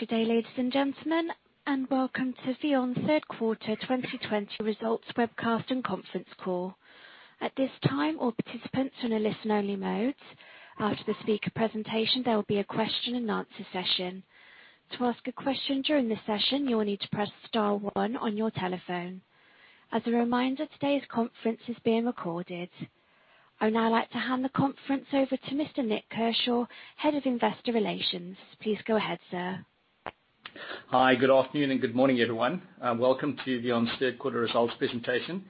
Good day, ladies and gentlemen, and welcome to VEON third quarter 2020 results webcast and conference call. I would now like to hand the conference over to Mr. Nik Kershaw, Head of Investor Relations. Please go ahead, sir. Hi. Good afternoon and good morning, everyone. Welcome to VEON's third quarter results presentation.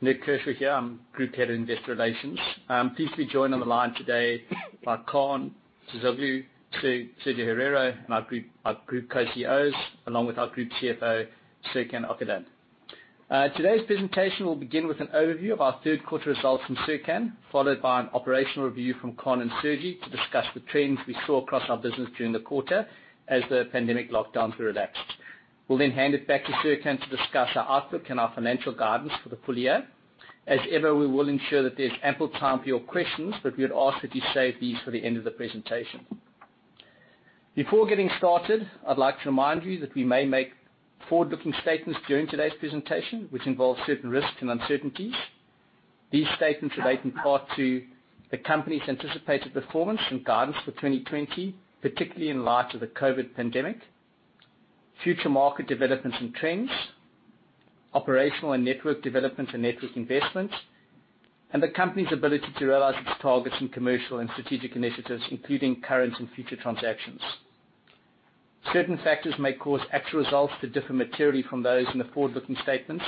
Nik Kershaw here. I'm Group Head of Investor Relations. I'm pleased to be joined on the line today by Kaan Terzioglu, Sergi Herrero, our Group Co-CEOs, along with our Group CFO, Serkan Okandan. Today's presentation will begin with an overview of our third quarter results from Serkan, followed by an operational review from Kaan and Sergi to discuss the trends we saw across our business during the quarter as the pandemic lockdowns were relaxed. We will then hand it back to Serkan to discuss our outlook and our financial guidance for the full year. As ever, we will ensure that there is ample time for your questions, but we would ask that you save these for the end of the presentation. Before getting started, I'd like to remind you that we may make forward-looking statements during today's presentation, which involve certain risks and uncertainties. These statements relate in part to the company's anticipated performance and guidance for 2020, particularly in light of the COVID-19 pandemic, future market developments and trends, operational and network developments and network investments, and the company's ability to realize its targets in commercial and strategic initiatives, including current and future transactions. Certain factors may cause actual results to differ materially from those in the forward-looking statements,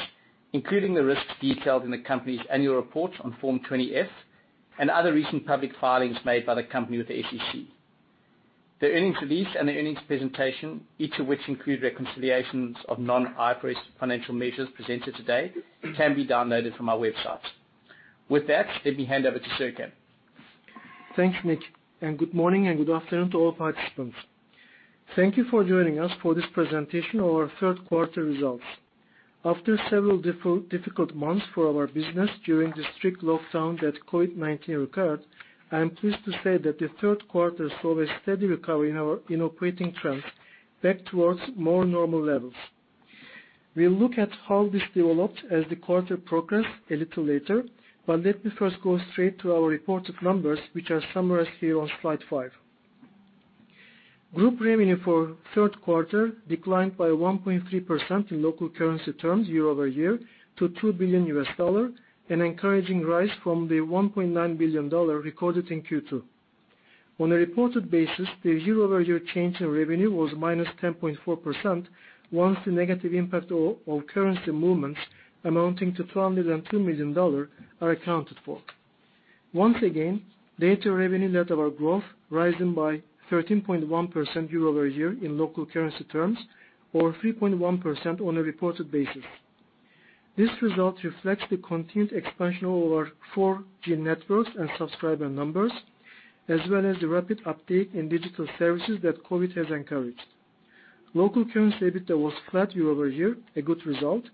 including the risks detailed in the company's annual report on Form 20-F and other recent public filings made by the company with the SEC. The earnings release and the earnings presentation, each of which include reconciliations of non-IFRS financial measures presented today, can be downloaded from our website. With that, let me hand over to Serkan. Thanks, Nik, good morning and good afternoon to all participants. Thank you for joining us for this presentation of our third quarter results. After several difficult months for our business during the strict lockdown that COVID-19 required, I am pleased to say that the third quarter saw a steady recovery in operating trends back towards more normal levels. We'll look at how this developed as the quarter progressed a little later, let me first go straight to our reported numbers, which are summarized here on slide five. Group revenue for third quarter declined by 1.3% in local currency terms year-over-year to $2 billion, an encouraging rise from the $1.9 billion recorded in Q2. On a reported basis, the year-over-year change in revenue was -10.4% once the negative impact of currency movements amounting to $202 million are accounted for. Once again, data revenue led our growth, rising by 13.1% year-over-year in local currency terms, or 3.1% on a reported basis. This result reflects the continued expansion of our 4G networks and subscriber numbers, as well as the rapid uptake in digital services that COVID-19 has encouraged. Local currency EBITDA was flat year-over-year, a good result,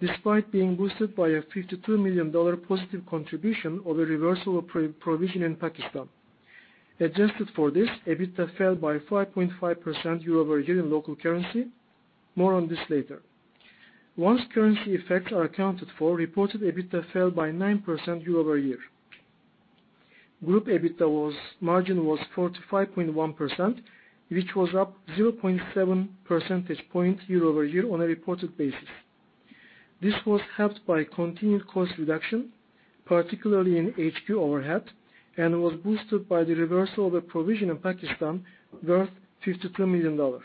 despite being boosted by a $52 million positive contribution of a reversal of provision in Pakistan. Adjusted for this, EBITDA fell by 5.5% year-over-year in local currency. More on this later. Once currency effects are accounted for, reported EBITDA fell by 9% year-over-year. Group EBITDA margin was 45.1%, which was up 0.7 percentage point year-over-year on a reported basis. This was helped by continued cost reduction, particularly in HQ overhead, and was boosted by the reversal of a provision in Pakistan worth $52 million.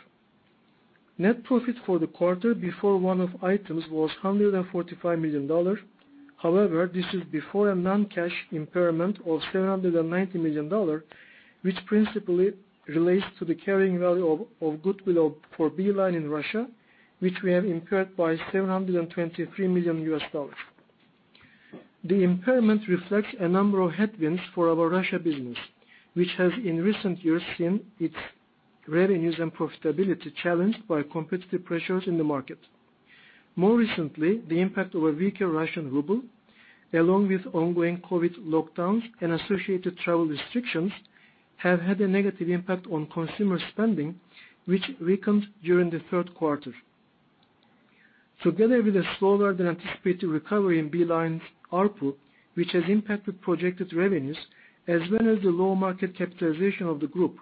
Net profit for the quarter before one-off items was $145 million. However, this is before a non-cash impairment of $790 million, which principally relates to the carrying value of goodwill for Beeline in Russia, which we have impaired by $723 million. The impairment reflects a number of headwinds for our Russia business, which has in recent years seen its revenues and profitability challenged by competitive pressures in the market. More recently, the impact of a weaker Russian ruble, along with ongoing COVID-19 lockdowns and associated travel restrictions, have had a negative impact on consumer spending, which weakened during the third quarter. Together with a slower than anticipated recovery in Beeline's ARPU, which has impacted projected revenues as well as the low market capitalization of the group,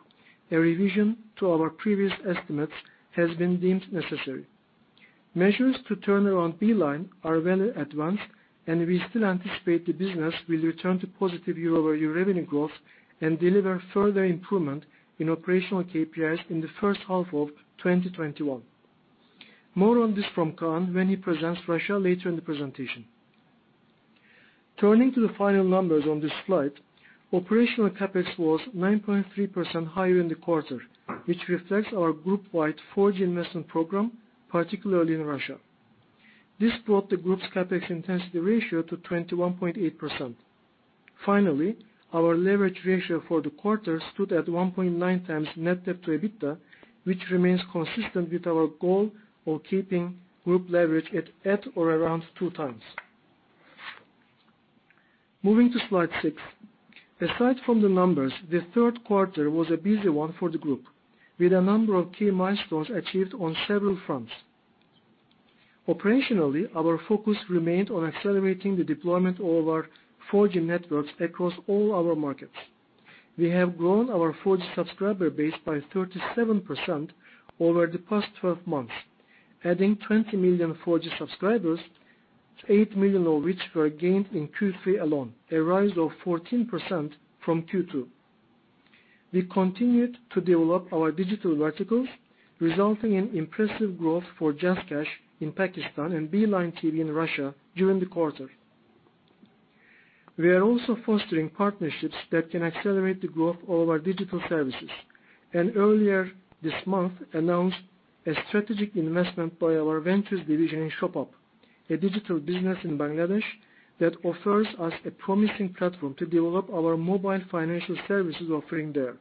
a revision to our previous estimates has been deemed necessary. Measures to turn around Beeline are well advanced, and we still anticipate the business will return to positive year-over-year revenue growth and deliver further improvement in operational KPIs in the first half of 2021. More on this from Kaan when he presents Russia later in the presentation. Turning to the final numbers on this slide, operational CapEx was 9.3% higher in the quarter, which reflects our group-wide 4G investment program, particularly in Russia. This brought the group's CapEx intensity ratio to 21.8%. Finally, our leverage ratio for the quarter stood at 1.9x net debt to EBITDA, which remains consistent with our goal of keeping group leverage at or around 2x. Moving to slide six. Aside from the numbers, the third quarter was a busy one for the group, with a number of key milestones achieved on several fronts. Operationally, our focus remained on accelerating the deployment of our 4G networks across all our markets. We have grown our 4G subscriber base by 37% over the past 12 months, adding 20 million 4G subscribers, 8 million of which were gained in Q3 alone, a rise of 14% from Q2. We continued to develop our digital verticals, resulting in impressive growth for JazzCash in Pakistan and Beeline TV in Russia during the quarter. We are also fostering partnerships that can accelerate the growth of our digital services. Earlier this month announced a strategic investment by our ventures division in ShopUp, a digital business in Bangladesh that offers us a promising platform to develop our mobile financial services offering there.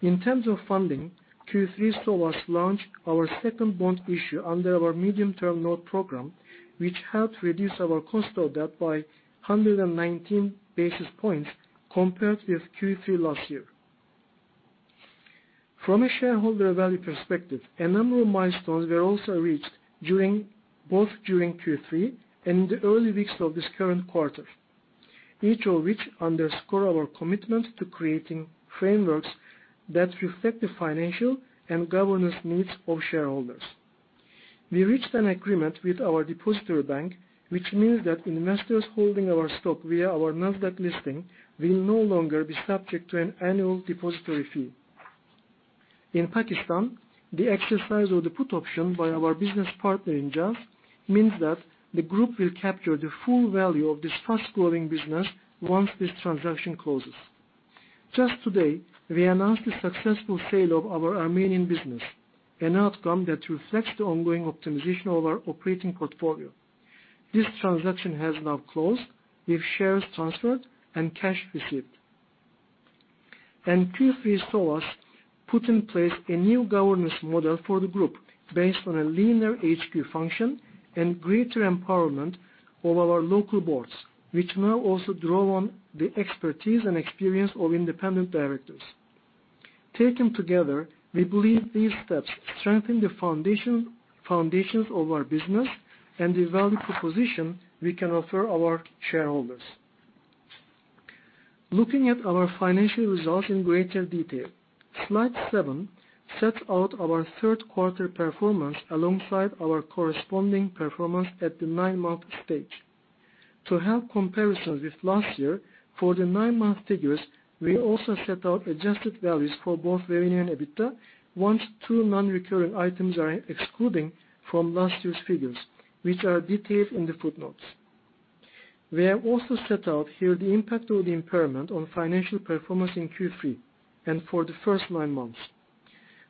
In terms of funding, Q3 saw us launch our second bond issue under our medium-term note program, which helped reduce our cost of debt by 119 basis points compared with Q3 last year. From a shareholder value perspective, a number of milestones were also reached both during Q3 and in the early weeks of this current quarter, each of which underscore our commitment to creating frameworks that reflect the financial and governance needs of shareholders. We reached an agreement with our depository bank, which means that investors holding our stock via our NASDAQ listing will no longer be subject to an annual depository fee. In Pakistan, the exercise of the put option by our business partner in Jazz means that the group will capture the full value of this fast-growing business once this transaction closes. Just today, we announced the successful sale of our Armenian business, an outcome that reflects the ongoing optimization of our operating portfolio. This transaction has now closed, with shares transferred and cash received. Q3 saw us put in place a new governance model for the group based on a leaner HQ function and greater empowerment of our local boards, which now also draw on the expertise and experience of independent directors. Taken together, we believe these steps strengthen the foundations of our business and the value proposition we can offer our shareholders. Looking at our financial results in greater detail. Slide seven sets out our third quarter performance alongside our corresponding performance at the 9-month stage. To help comparisons with last year, for the nine-month figures, we also set out adjusted values for both revenue and EBITDA, once two non-recurring items are excluding from last year's figures, which are detailed in the footnotes. We have also set out here the impact of the impairment on financial performance in Q3 and for the first nine months.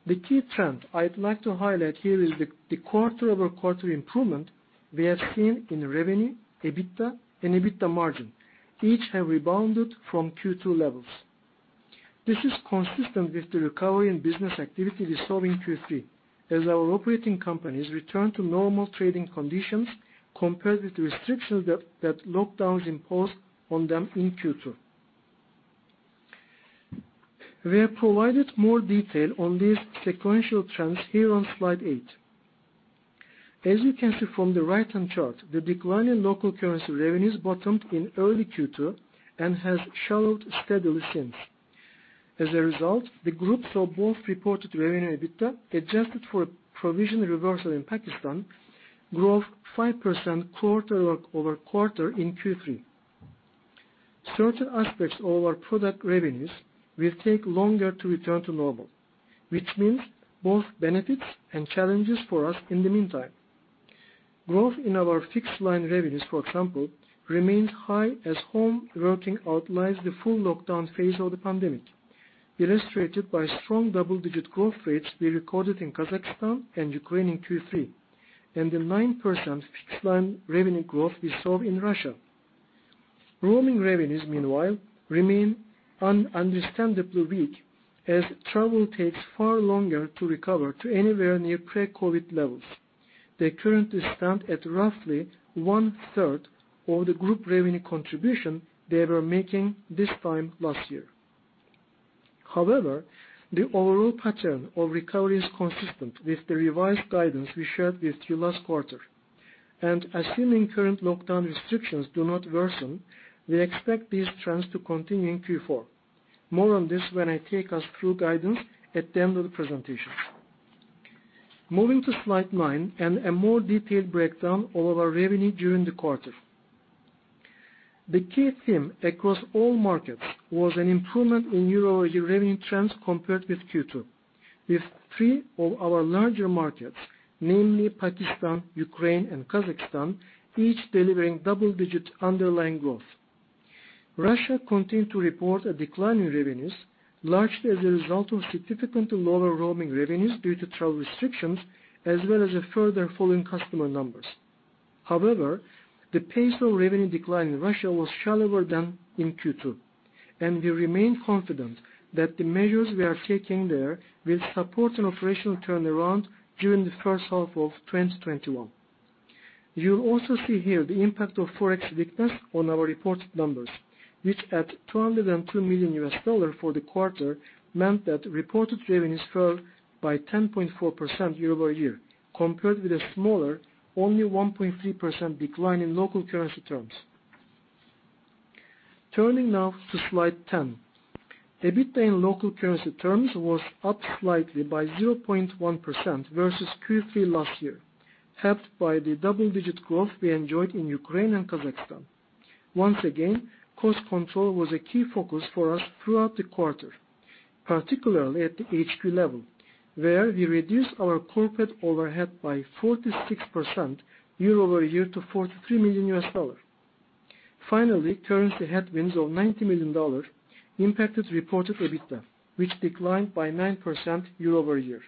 The key trend I'd like to highlight here is the quarter-over-quarter improvement we have seen in revenue, EBITDA, and EBITDA margin. Each have rebounded from Q2 levels. This is consistent with the recovery in business activity we saw in Q3, as our operating companies return to normal trading conditions compared with the restrictions that lockdowns imposed on them in Q2. We have provided more detail on these sequential trends here on slide eight. As you can see from the right-hand chart, the decline in local currency revenues bottomed in early Q2 and has shallowed steadily since. As a result, the groups of both reported revenue and EBITDA, adjusted for a provision reversal in Pakistan, growth 5% quarter-over-quarter in Q3. Certain aspects of our product revenues will take longer to return to normal, which means both benefits and challenges for us in the meantime. Growth in our fixed line revenues, for example, remained high as home working outlives the full lockdown phase of the pandemic, illustrated by strong double-digit growth rates we recorded in Kazakhstan and Ukraine in Q3, and the 9% fixed line revenue growth we saw in Russia. Roaming revenues, meanwhile, remain understandably weak as travel takes far longer to recover to anywhere near pre-COVID levels. They currently stand at roughly one third of the group revenue contribution they were making this time last year. However, the overall pattern of recovery is consistent with the revised guidance we shared with you last quarter. Assuming current lockdown restrictions do not worsen, we expect these trends to continue in Q4. More on this when I take us through guidance at the end of the presentation. Moving to slide nine and a more detailed breakdown of our revenue during the quarter. The key theme across all markets was an improvement in year-over-year revenue trends compared with Q2, with three of our larger markets, namely Pakistan, Ukraine, and Kazakhstan, each delivering double-digit underlying growth. Russia continued to report a decline in revenues, largely as a result of significantly lower roaming revenues due to travel restrictions, as well as a further fall in customer numbers. However, the pace of revenue decline in Russia was shallower than in Q2. We remain confident that the measures we are taking there will support an operational turnaround during the first half of 2021. You also see here the impact of Forex weakness on our reported numbers, which at $202 million for the quarter meant that reported revenues fell by 10.4% year-over-year, compared with a smaller only 1.3% decline in local currency terms. Turning now to slide 10. EBITDA in local currency terms was up slightly by 0.1% versus Q3 last year, helped by the double-digit growth we enjoyed in Ukraine and Kazakhstan. Once again, cost control was a key focus for us throughout the quarter, particularly at the HQ level, where we reduced our corporate overhead by 46% year-over-year to $43 million. Finally, currency headwinds of $90 million impacted reported EBITDA, which declined by 9% year-over-year.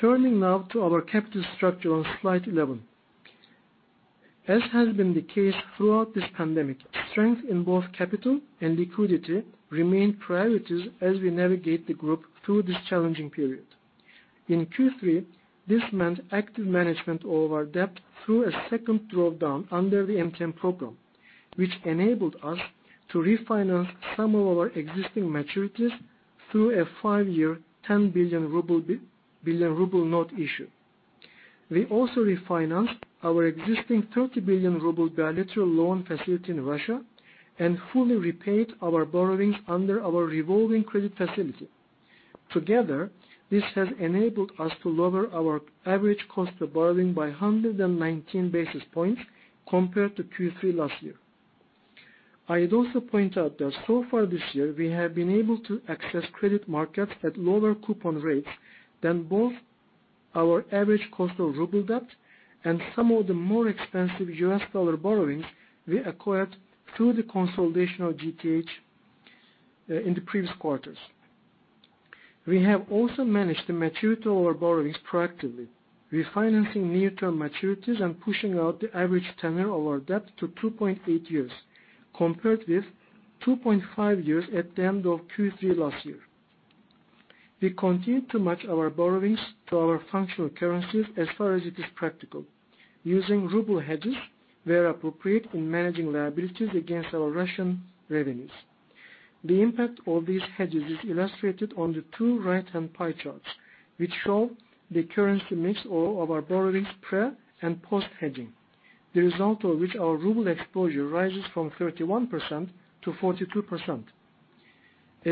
Turning now to our capital structure on slide 11. As has been the case throughout this pandemic, strength in both capital and liquidity remain priorities as we navigate the group through this challenging period. In Q3, this meant active management of our debt through a second drawdown under the MTN program, which enabled us to refinance some of our existing maturities through a five year, RUB 10 billion note issue. We also refinanced our existing 30 billion ruble bilateral loan facility in Russia and fully repaid our borrowings under our revolving credit facility. Together, this has enabled us to lower our average cost of borrowing by 119 basis points compared to Q3 last year. I'd also point out that so far this year, we have been able to access credit markets at lower coupon rates than both our average cost of RUB debt and some of the more expensive USD borrowings we acquired through the consolidation of GTH in the previous quarters. We have also managed the maturity of our borrowings proactively, refinancing near-term maturities and pushing out the average tenure of our debt to 2.8 years, compared with 2.5 years at the end of Q3 last year. We continue to match our borrowings to our functional currencies as far as it is practical, using RUB hedges where appropriate in managing liabilities against our RUB revenues. The impact of these hedges is illustrated on the two right-hand pie charts, which show the currency mix of our borrowings pre and post-hedging, the result of which our RUB exposure rises from 31%-42%.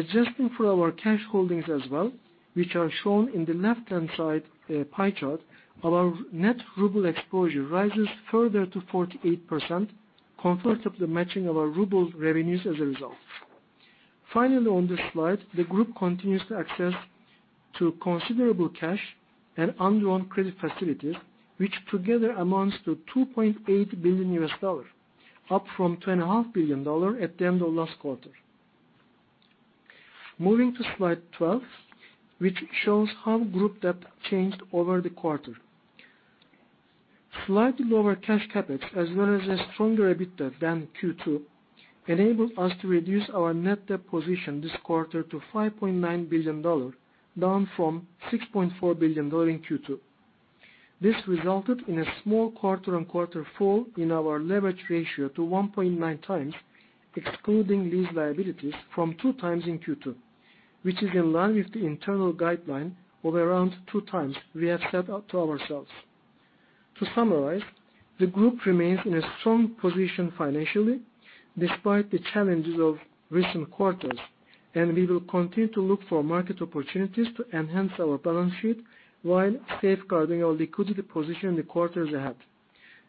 Adjusting for our cash holdings as well, which are shown in the left-hand side pie chart, our net ruble exposure rises further to 48%, comfortably matching our ruble revenues as a result. Finally, on this slide, the group continues to access to considerable cash and undrawn credit facilities, which together amounts to $2.8 billion, up from $2.5 billion at the end of last quarter. Moving to slide 12, which shows how group debt changed over the quarter. Slightly lower cash CapEx, as well as a stronger EBITDA than Q2, enabled us to reduce our net debt position this quarter to $5.9 billion, down from $6.4 billion in Q2. This resulted in a small quarter-on-quarter fall in our leverage ratio to 1.9x, excluding lease liabilities from two times in Q2, which is in line with the internal guideline of around two times we have set out to ourselves. To summarize, the group remains in a strong position financially, despite the challenges of recent quarters, and we will continue to look for market opportunities to enhance our balance sheet while safeguarding our liquidity position in the quarters ahead.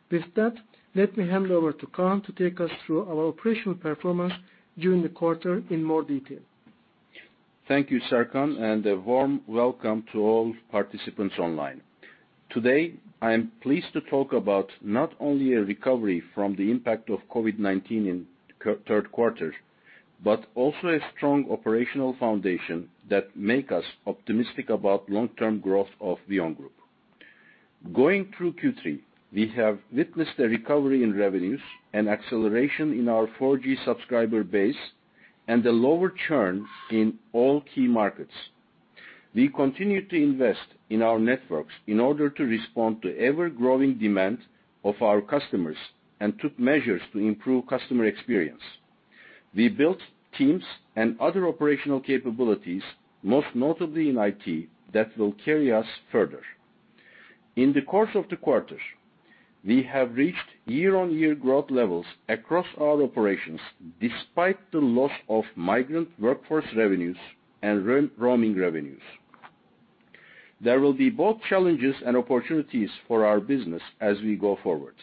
With that, let me hand over to Kaan to take us through our operational performance during the quarter in more detail. Thank you, Serkan, a warm welcome to all participants online. Today, I am pleased to talk about not only a recovery from the impact of COVID-19 in third quarter, but also a strong operational foundation that make us optimistic about long-term growth of VEON group. Going through Q3, we have witnessed a recovery in revenues and acceleration in our 4G subscriber base and a lower churn in all key markets. We continue to invest in our networks in order to respond to ever-growing demand of our customers and took measures to improve customer experience. We built teams and other operational capabilities, most notably in IT, that will carry us further. In the course of the quarter, we have reached year-on-year growth levels across all operations, despite the loss of migrant workforce revenues and roaming revenues. There will be both challenges and opportunities for our business as we go forward.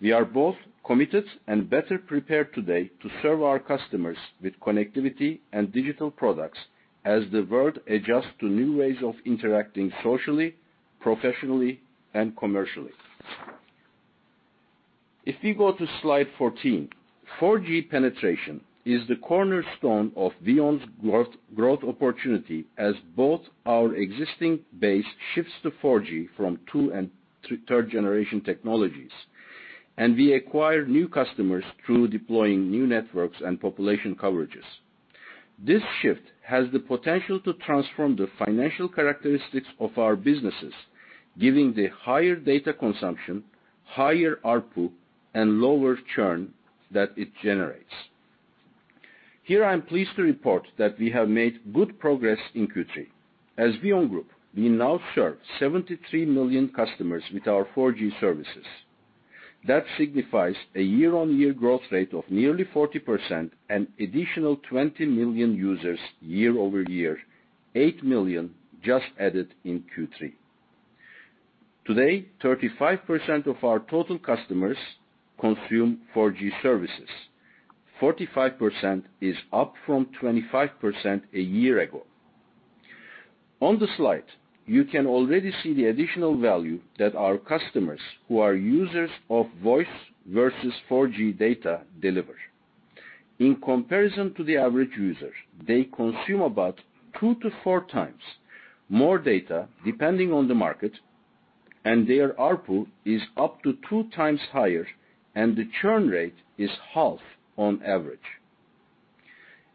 We are both committed and better prepared today to serve our customers with connectivity and digital products as the world adjusts to new ways of interacting socially, professionally, and commercially. If we go to slide 14, 4G penetration is the cornerstone of VEON's growth opportunity as both our existing base shifts to 4G from two and third-generation technologies. We acquire new customers through deploying new networks and population coverages. This shift has the potential to transform the financial characteristics of our businesses, giving the higher data consumption, higher ARPU, and lower churn that it generates. Here, I am pleased to report that we have made good progress in Q3. As VEON Group, we now serve 73 million customers with our 4G services. That signifies a year-on-year growth rate of nearly 40%, an additional 20 million users year-over-year, 8 million just added in Q3. Today, 35% of our total customers consume 4G services. 45% is up from 25% a year ago. On the slide, you can already see the additional value that our customers who are users of voice versus 4G data deliver. In comparison to the average user, they consume about two to four times more data, depending on the market, and their ARPU is up to 2x higher, and the churn rate is half on average.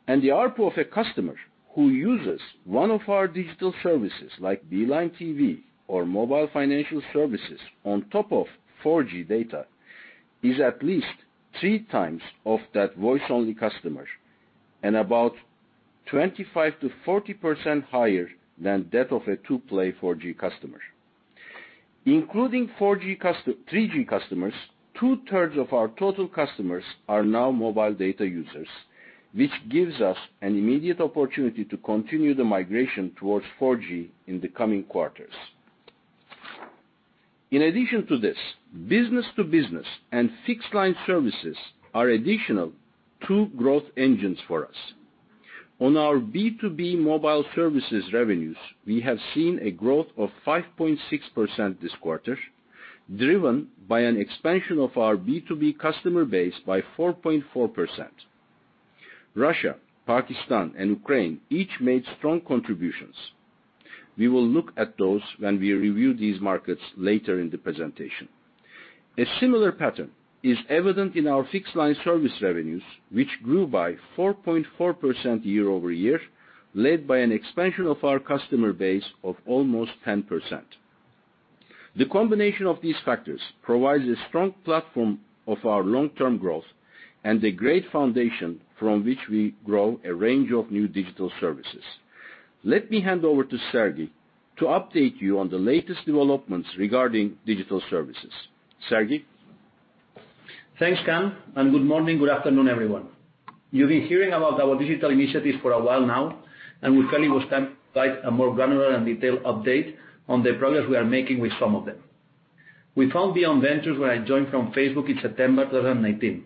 The ARPU of a customer who uses one of our digital services like Beeline TV or mobile financial services on top of 4G data is at least 3x of that voice-only customer and about 25%-40% higher than that of a 2-Play 4G customer. Including 3G customers, 2/3 of our total customers are now mobile data users, which gives us an immediate opportunity to continue the migration towards 4G in the coming quarters. In addition to this, business-to-business and fixed-line services are additional two growth engines for us. On our B2B mobile services revenues, we have seen a growth of 5.6% this quarter, driven by an expansion of our B2B customer base by 4.4%. Russia, Pakistan, and Ukraine each made strong contributions. We will look at those when we review these markets later in the presentation. A similar pattern is evident in our fixed-line service revenues, which grew by 4.4% year-over-year, led by an expansion of our customer base of almost 10%. The combination of these factors provides a strong platform of our long-term growth and a great foundation from which we grow a range of new digital services. Let me hand over to Sergi to update you on the latest developments regarding digital services. Sergi? Thanks, Kaan. Good morning, good afternoon, everyone. You've been hearing about our digital initiatives for a while now, and we felt it was time to provide a more granular and detailed update on the progress we are making with some of them. We found VEON Ventures where I joined from Facebook in September 2019.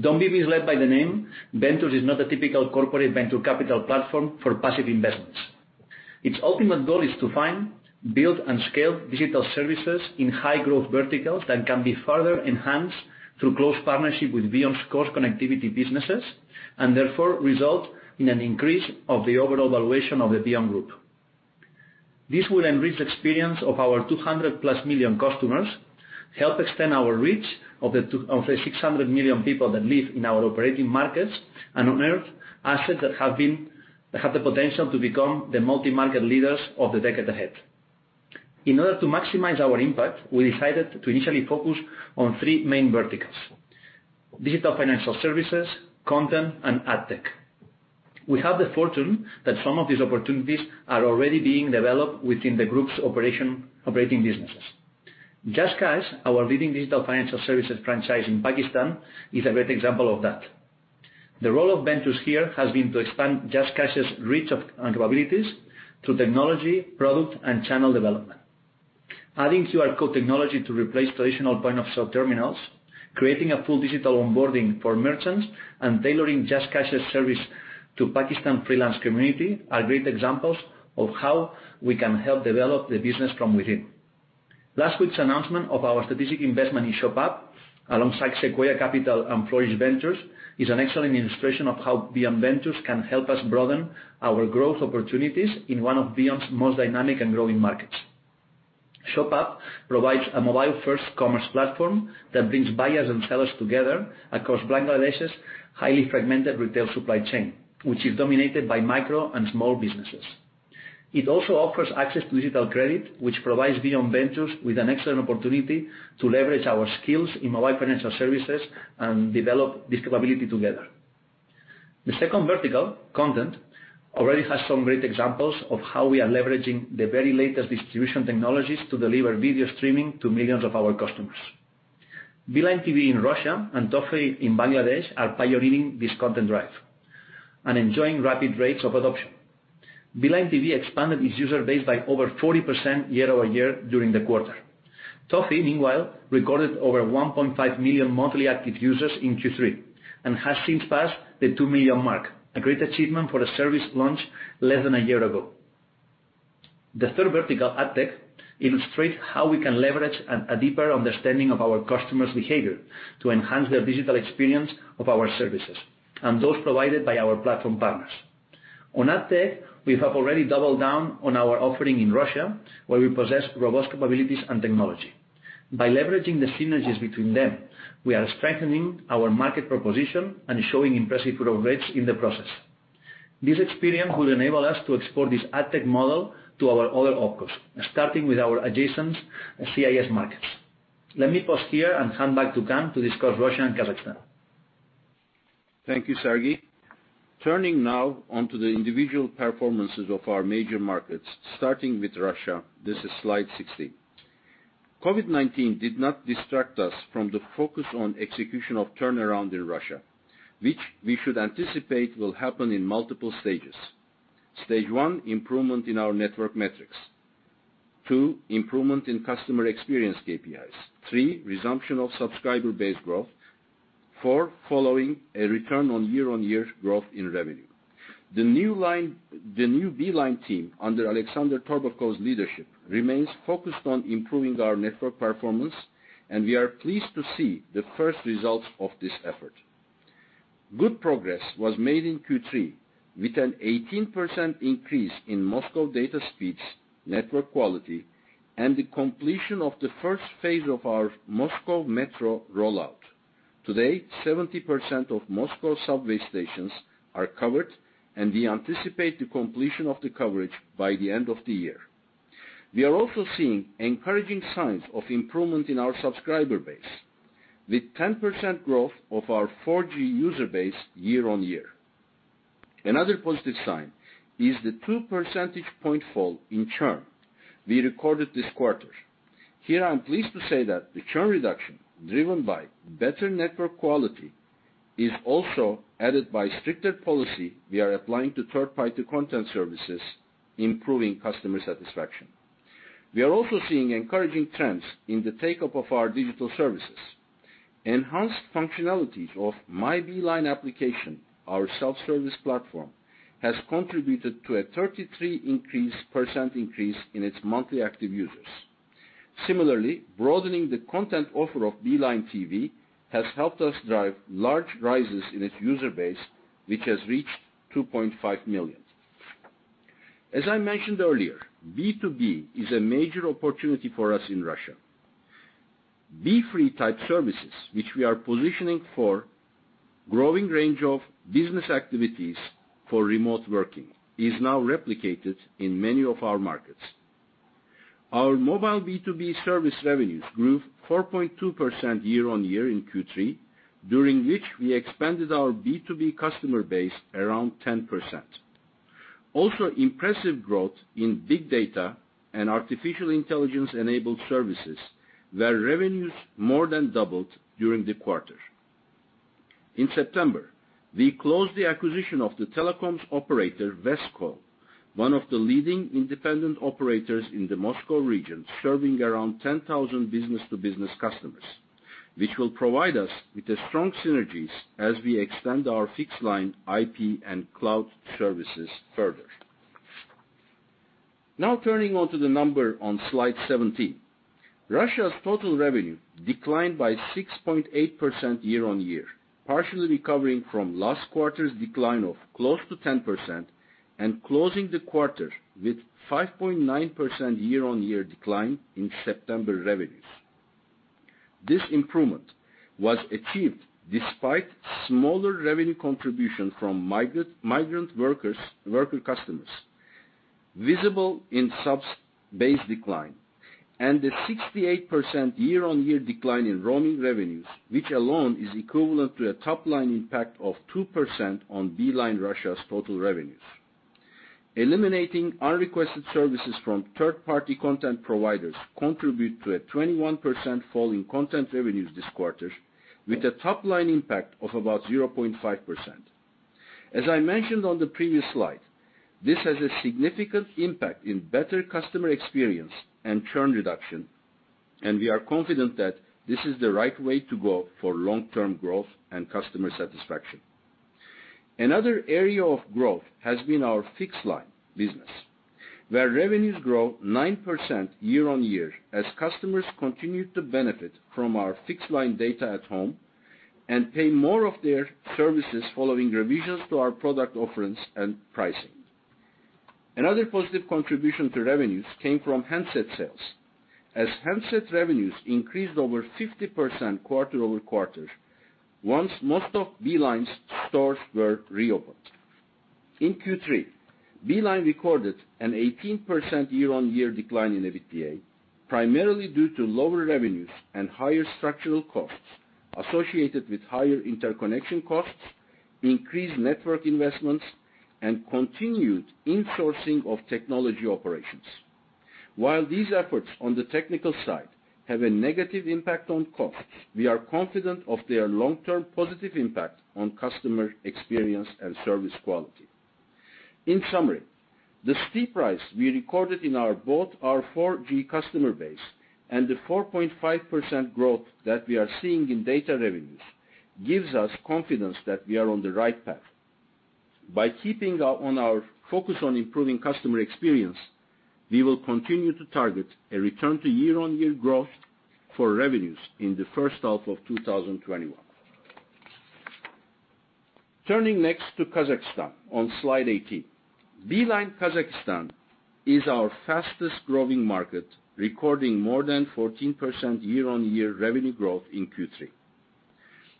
Don't be misled by the name. Ventures is not a typical corporate venture capital platform for passive investments. Its ultimate goal is to find, build, and scale digital services in high-growth verticals that can be further enhanced through close partnership with VEON's core connectivity businesses, and therefore result in an increase of the overall valuation of the VEON group. This will enrich the experience of our 200+ million customers, help extend our reach of the 600 million people that live in our operating markets, and unearth assets that have the potential to become the multi-market leaders of the decade ahead. In order to maximize our impact, we decided to initially focus on 3 main verticals: digital financial services, content, and AdTech. We have the fortune that some of these opportunities are already being developed within the group's operating businesses. JazzCash, our leading digital financial services franchise in Pakistan, is a great example of that. The role of Ventures here has been to expand JazzCash's reach and capabilities through technology, product, and channel development. Adding QR code technology to replace traditional point-of-sale terminals, creating a full digital onboarding for merchants, and tailoring JazzCash's service to Pakistan freelance community are great examples of how we can help develop the business from within. Last week's announcement of our strategic investment in ShopUp, alongside Sequoia Capital and Flourish Ventures, is an excellent illustration of how VEON Ventures can help us broaden our growth opportunities in one of VEON's most dynamic and growing markets. ShopUp provides a mobile-first commerce platform that brings buyers and sellers together across Bangladesh's highly fragmented retail supply chain, which is dominated by micro and small businesses. It also offers access to digital credit, which provides VEON Ventures with an excellent opportunity to leverage our skills in mobile financial services and develop this capability together. The second vertical, content, already has some great examples of how we are leveraging the very latest distribution technologies to deliver video streaming to millions of our customers. Beeline TV in Russia and Toffee in Bangladesh are pioneering this content drive and enjoying rapid rates of adoption. Beeline TV expanded its user base by over 40% year-over-year during the quarter. Toffee, meanwhile, recorded over 1.5 million monthly active users in Q3 and has since passed the 2 million mark, a great achievement for a service launched less than a year ago. The third vertical, AdTech, illustrates how we can leverage a deeper understanding of our customers' behavior to enhance their digital experience of our services and those provided by our platform partners. On AdTech, we have already doubled down on our offering in Russia, where we possess robust capabilities and technology. By leveraging the synergies between them, we are strengthening our market proposition and showing impressive growth rates in the process. This experience will enable us to export this AdTech model to our other opcos, starting with our adjacent CIS markets. Let me pause here and hand back to Kaan to discuss Russia and Kazakhstan. Thank you, Sergi. Turning now onto the individual performances of our major markets, starting with Russia. This is slide 16. COVID-19 did not distract us from the focus on execution of turnaround in Russia, which we should anticipate will happen in multiple stages. Stage 1, improvement in our network metrics. Stage 2, improvement in customer experience KPIs. Stage 3, resumption of subscriber base growth. Stage 4, following a return on year-on-year growth in revenue. The new Beeline team, under Alexander Torbakhov's leadership, remains focused on improving our network performance, and we are pleased to see the first results of this effort. Good progress was made in Q3, with an 18% increase in Moscow data speeds, network quality, and the completion of the first phase of our Moscow Metro rollout. Today, 70% of Moscow subway stations are covered, and we anticipate the completion of the coverage by the end of the year. We are also seeing encouraging signs of improvement in our subscriber base, with 10% growth of our 4G user base year-over-year. Another positive sign is the two percentage point fall in churn we recorded this quarter. Here, I am pleased to say that the churn reduction, driven by better network quality, is also added by stricter policy we are applying to third-party content services, improving customer satisfaction. We are also seeing encouraging trends in the take-up of our digital services. Enhanced functionalities of My Beeline application, our self-service platform, has contributed to a 33% increase in its monthly active users. Similarly, broadening the content offer of Beeline TV has helped us drive large rises in its user base, which has reached 2.5 million. As I mentioned earlier, B2B is a major opportunity for us in Russia. BeFree type services, which we are positioning for growing range of business activities for remote working, is now replicated in many of our markets. Our mobile B2B service revenues grew 4.2% year-on-year in Q3, during which we expanded our B2B customer base around 10%. Also, impressive growth in big data and artificial intelligence enabled services, where revenues more than doubled during the quarter. In September, we closed the acquisition of the telecoms operator Vestel, one of the leading independent operators in the Moscow region, serving around 10,000 business to business customers, which will provide us with strong synergies as we extend our fixed line IP and cloud services further. Now turning onto the number on Slide 17. Russia's total revenue declined by 6.8% year-on-year, partially recovering from last quarter's decline of close to 10% and closing the quarter with 5.9% year-on-year decline in September revenues. This improvement was achieved despite smaller revenue contribution from migrant worker customers, visible in subs base decline, and the 68% year-on-year decline in roaming revenues, which alone is equivalent to a top-line impact of 2% on Beeline Russia's total revenues. Eliminating unrequested services from third-party content providers contribute to a 21% fall in content revenues this quarter, with a top-line impact of about 0.5%. As I mentioned on the previous slide, this has a significant impact in better customer experience and churn reduction, and we are confident that this is the right way to go for long-term growth and customer satisfaction. Another area of growth has been our fixed line business, where revenues grow 9% year-on-year as customers continued to benefit from our fixed line data at home and pay more of their services following revisions to our product offerings and pricing. Another positive contribution to revenues came from handset sales, as handset revenues increased over 50% quarter-over-quarter once most of Beeline's stores were reopened. In Q3, Beeline recorded an 18% year-on-year decline in EBITDA, primarily due to lower revenues and higher structural costs associated with higher interconnection costs, increased network investments, and continued insourcing of technology operations. While these efforts on the technical side have a negative impact on costs, we are confident of their long-term positive impact on customer experience and service quality. In summary, the steep rise we recorded in both our 4G customer base and the 4.5% growth that we are seeing in data revenues gives us confidence that we are on the right path. By keeping on our focus on improving customer experience. We will continue to target a return to year-on-year growth for revenues in the first half of 2021. Turning next to Kazakhstan on slide 18. Beeline Kazakhstan is our fastest growing market, recording more than 14% year-on-year revenue growth in Q3.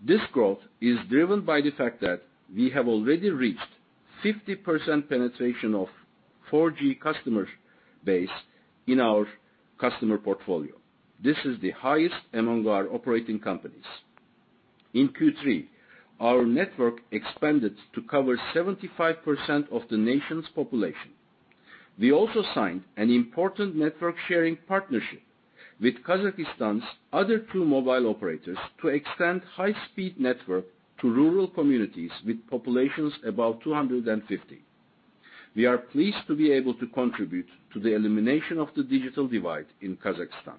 This growth is driven by the fact that we have already reached 50% penetration of 4G customer base in our customer portfolio. This is the highest among our operating companies. In Q3, our network expanded to cover 75% of the nation's population. We also signed an important network sharing partnership with Kazakhstan's other two mobile operators to extend high-speed network to rural communities with populations above 250. We are pleased to be able to contribute to the elimination of the digital divide in Kazakhstan.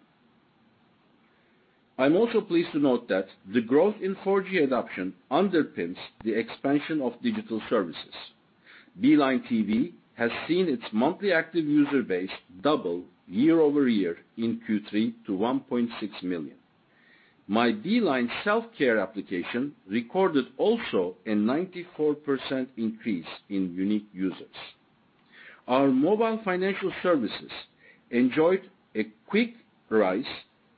I'm also pleased to note that the growth in 4G adoption underpins the expansion of digital services. Beeline TV has seen its monthly active user base double year-over-year in Q3 to 1.6 million. My Beeline self-care application recorded also a 94% increase in unique users. Our mobile financial services enjoyed a quick rise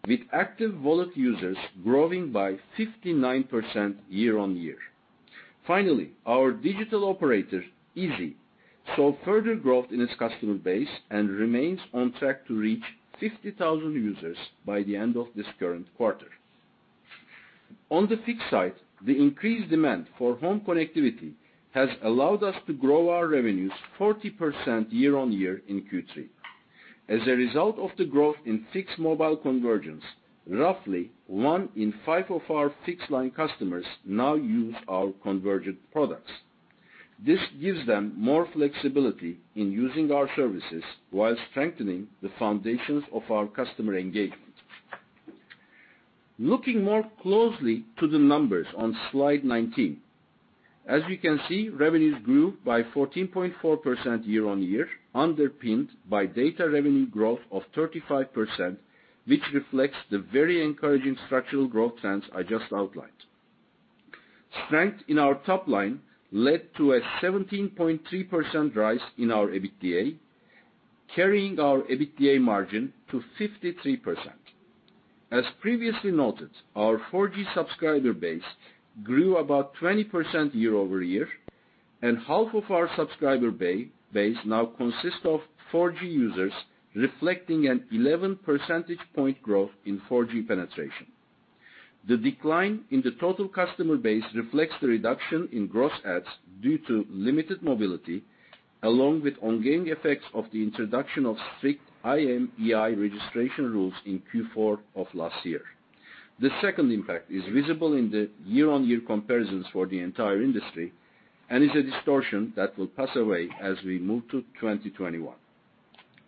with active wallet users growing by 59% year-on-year. Finally, our digital operator, Izi, saw further growth in its customer base and remains on track to reach 50,000 users by the end of this current quarter. On the fixed side, the increased demand for home connectivity has allowed us to grow our revenues 40% year-on-year in Q3. As a result of the growth in fixed mobile convergence, roughly one in five of our fixed line customers now use our convergent products. This gives them more flexibility in using our services while strengthening the foundations of our customer engagement. Looking more closely to the numbers on slide 19, as you can see, revenues grew by 14.4% year-on-year, underpinned by data revenue growth of 35%, which reflects the very encouraging structural growth trends I just outlined. Strength in our top line led to a 17.3% rise in our EBITDA, carrying our EBITDA margin to 53%. As previously noted, our 4G subscriber base grew about 20% year-over-year, and half of our subscriber base now consists of 4G users, reflecting an 11 percentage point growth in 4G penetration. The decline in the total customer base reflects the reduction in gross adds due to limited mobility, along with ongoing effects of the introduction of strict IMEI registration rules in Q4 of last year. The second impact is visible in the year-on-year comparisons for the entire industry and is a distortion that will pass away as we move to 2021.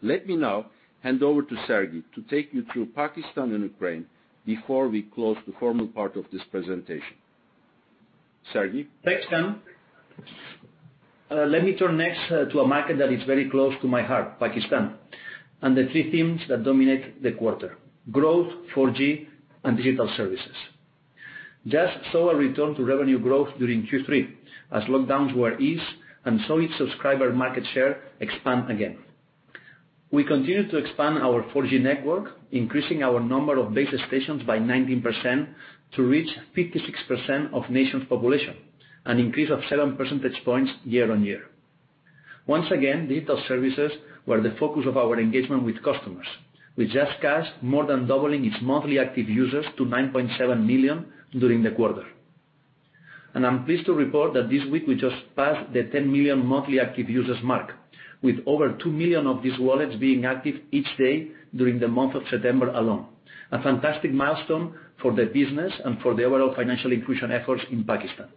Let me now hand over to Sergi to take you through Pakistan and Ukraine before we close the formal part of this presentation. Sergi? Thanks, Kaan. Let me turn next to a market that is very close to my heart, Pakistan, and the three themes that dominate the quarter, growth, 4G, and digital services. Jazz saw a return to revenue growth during Q3 as lockdowns were eased and saw its subscriber market share expand again. We continued to expand our 4G network, increasing our number of base stations by 19% to reach 56% of nation's population, an increase of seven percentage points year-on-year. Once again, digital services were the focus of our engagement with customers, with JazzCash more than doubling its monthly active users to 9.7 million during the quarter. I'm pleased to report that this week we just passed the 10 million monthly active users mark, with over 2 million of these wallets being active each day during the month of September alone. A fantastic milestone for the business and for the overall financial inclusion efforts in Pakistan.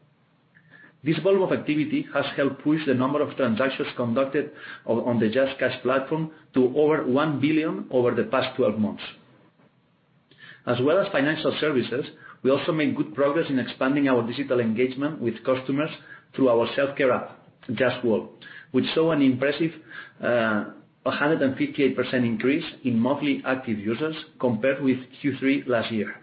This volume of activity has helped push the number of transactions conducted on the JazzCash platform to over 1 billion over the past 12 months. As well as financial services, we also made good progress in expanding our digital engagement with customers through our self-care app, Jazz World, which saw an impressive 158% increase in monthly active users compared with Q3 last year.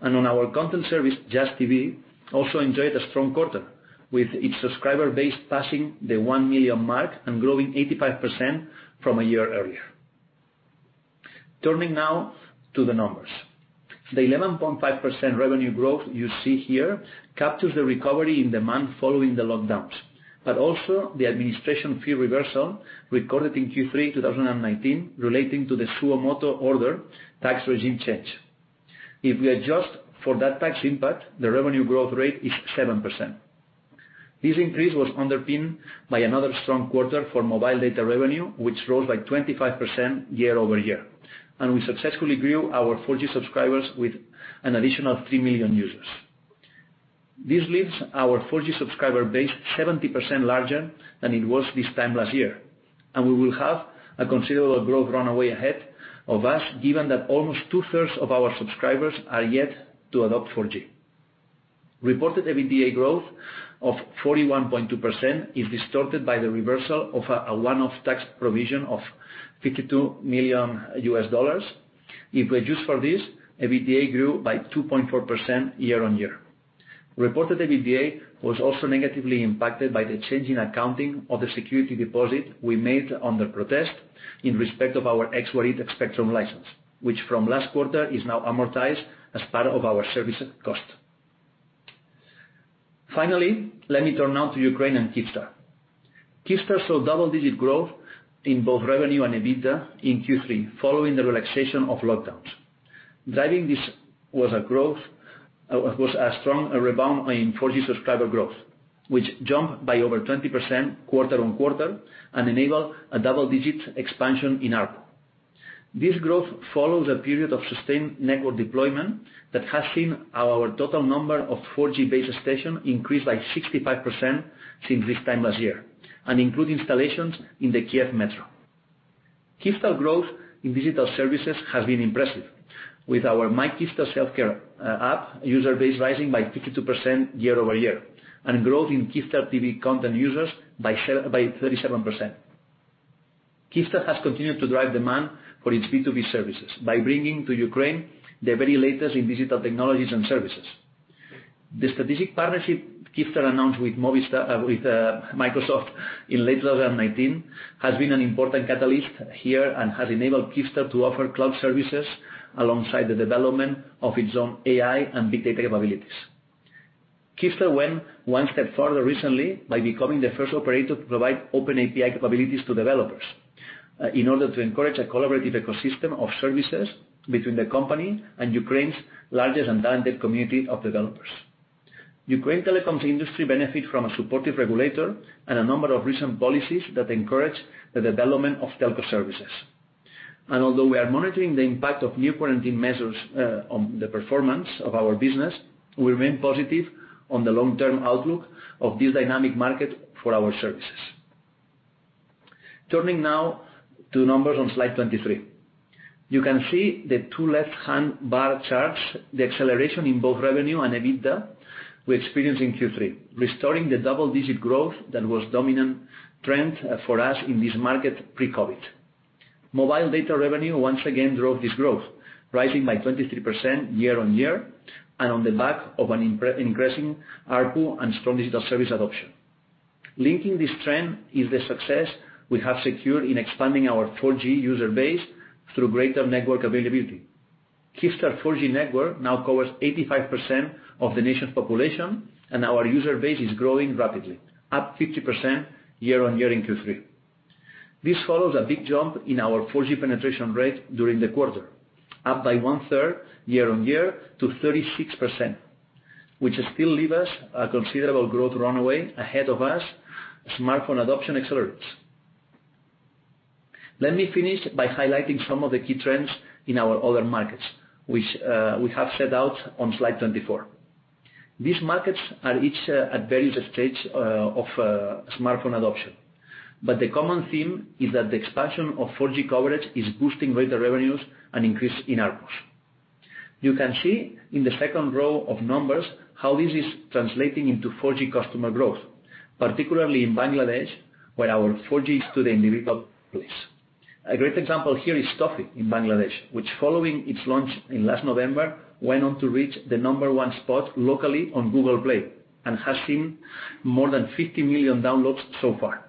On our content service, Jazz TV, also enjoyed a strong quarter, with its subscriber base passing the 1 million mark and growing 85% from a year earlier. Turning now to the numbers. The 11.5% revenue growth you see here captures the recovery in demand following the lockdowns, but also the administration fee reversal recorded in Q3 2019 relating to the Suo Motu order tax regime change. If we adjust for that tax impact, the revenue growth rate is 7%. This increase was underpinned by another strong quarter for mobile data revenue, which rose by 25% year-over-year. We successfully grew our 4G subscribers with an additional 3 million users. This leaves our 4G subscriber base 70% larger than it was this time last year, and we will have a considerable growth runaway ahead of us given that almost two-thirds of our subscribers are yet to adopt 4G. Reported EBITDA growth of 41.2% is distorted by the reversal of a one-off tax provision of $52 million. If reduced for this, EBITDA grew by 2.4% year-on-year. Reported EBITDA was also negatively impacted by the change in accounting of the security deposit we made under protest in respect of our ex-Warid spectrum license, which from last quarter is now amortized as part of our service cost. Let me turn now to Ukraine and Kyivstar. Kyivstar saw double-digit growth in both revenue and EBITDA in Q3 following the relaxation of lockdowns. Driving this was a strong rebound in 4G subscriber growth, which jumped by over 20% quarter-on-quarter and enabled a double-digit expansion in ARPU. This growth follows a period of sustained network deployment that has seen our total number of 4G base stations increase by 65% since this time last year and include installations in the Kyiv Metro. Kyivstar growth in digital services has been impressive. With our My Kyivstar self-care app user base rising by 52% year-over-year and growth in Kyivstar TV content users by 37%. Kyivstar has continued to drive demand for its B2B services by bringing to Ukraine the very latest in digital technologies and services. The strategic partnership Kyivstar announced with Microsoft in late 2019 has been an important catalyst here and has enabled Kyivstar to offer cloud services alongside the development of its own AI and big data capabilities. Kyivstar went one step further recently by becoming the first operator to provide open API capabilities to developers in order to encourage a collaborative ecosystem of services between the company and Ukraine's largest and talented community of developers. Ukraine telecoms industry benefit from a supportive regulator and a number of recent policies that encourage the development of telco services. Although we are monitoring the impact of new quarantine measures on the performance of our business, we remain positive on the long-term outlook of this dynamic market for our services. Turning now to numbers on slide 23. You can see the two left-hand bar charts, the acceleration in both revenue and EBITDA we experienced in Q3, restoring the double-digit growth that was dominant trend for us in this market pre-COVID-19. Mobile data revenue once again drove this growth, rising by 23% year-on-year and on the back of an increasing ARPU and strong digital service adoption. Linking this trend is the success we have secured in expanding our 4G user base through greater network availability. Kyivstar 4G network now covers 85% of the nation's population, and our user base is growing rapidly, up 50% year-on-year in Q3. This follows a big jump in our 4G penetration rate during the quarter, up by one-third year-on-year to 36%, which still leave us a considerable growth runway ahead of us, smartphone adoption accelerates. Let me finish by highlighting some of the key trends in our other markets, which we have set out on slide 24. These markets are each at various stage of smartphone adoption. The common theme is that the expansion of 4G coverage is boosting greater revenues and increase in ARPUs. You can see in the second row of numbers how this is translating into 4G customer growth, particularly in Bangladesh, where our 4G is today in the top place. A great example here is Toffee in Bangladesh, which following its launch in last November, went on to reach the number one spot locally on Google Play and has seen more than 50 million downloads so far.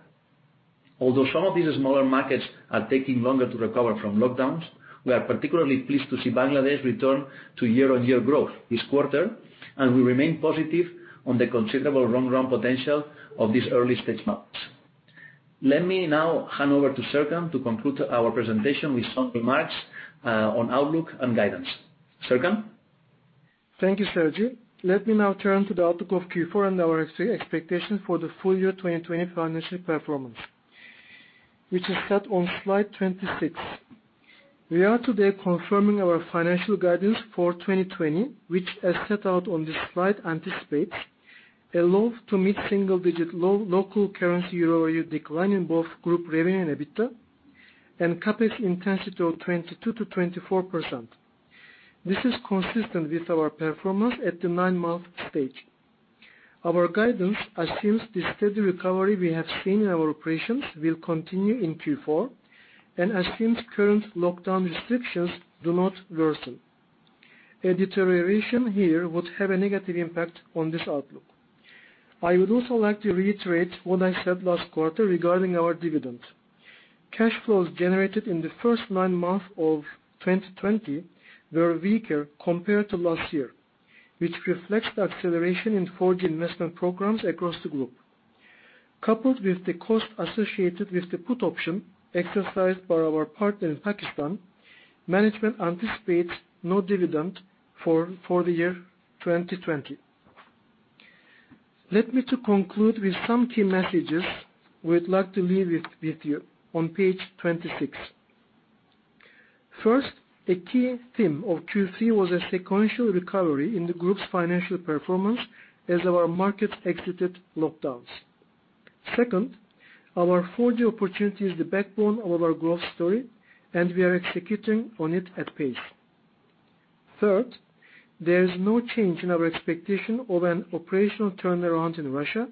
Some of these smaller markets are taking longer to recover from lockdowns, we are particularly pleased to see Bangladesh return to year-on-year growth this quarter, and we remain positive on the considerable run-rate potential of these early stage markets. Let me now hand over to Serkan to conclude our presentation with some remarks on outlook and guidance. Serkan? Thank you, Sergi. Let me now turn to the outlook of Q4 and our expectations for the full year 2020 financial performance, which is set on slide 26. We are today confirming our financial guidance for 2020, which as set out on this slide anticipates a low to mid single digit local currency year-over-year decline in both group revenue and EBITDA and CapEx intensity of 22%-24%. This is consistent with our performance at the nine-month stage. Our guidance assumes the steady recovery we have seen in our operations will continue in Q4 and assumes current lockdown restrictions do not worsen. A deterioration here would have a negative impact on this outlook. I would also like to reiterate what I said last quarter regarding our dividend. Cash flows generated in the first nine months of 2020 were weaker compared to last year, which reflects the acceleration in 4G investment programs across the group. Coupled with the cost associated with the put option exercised by our partner in Pakistan, management anticipates no dividend for the year 2020. Let me to conclude with some key messages we'd like to leave with you on page 26. First, a key theme of Q3 was a sequential recovery in the group's financial performance as our markets exited lockdowns. Second, our 4G opportunity is the backbone of our growth story, and we are executing on it at pace. Third, there is no change in our expectation of an operational turnaround in Russia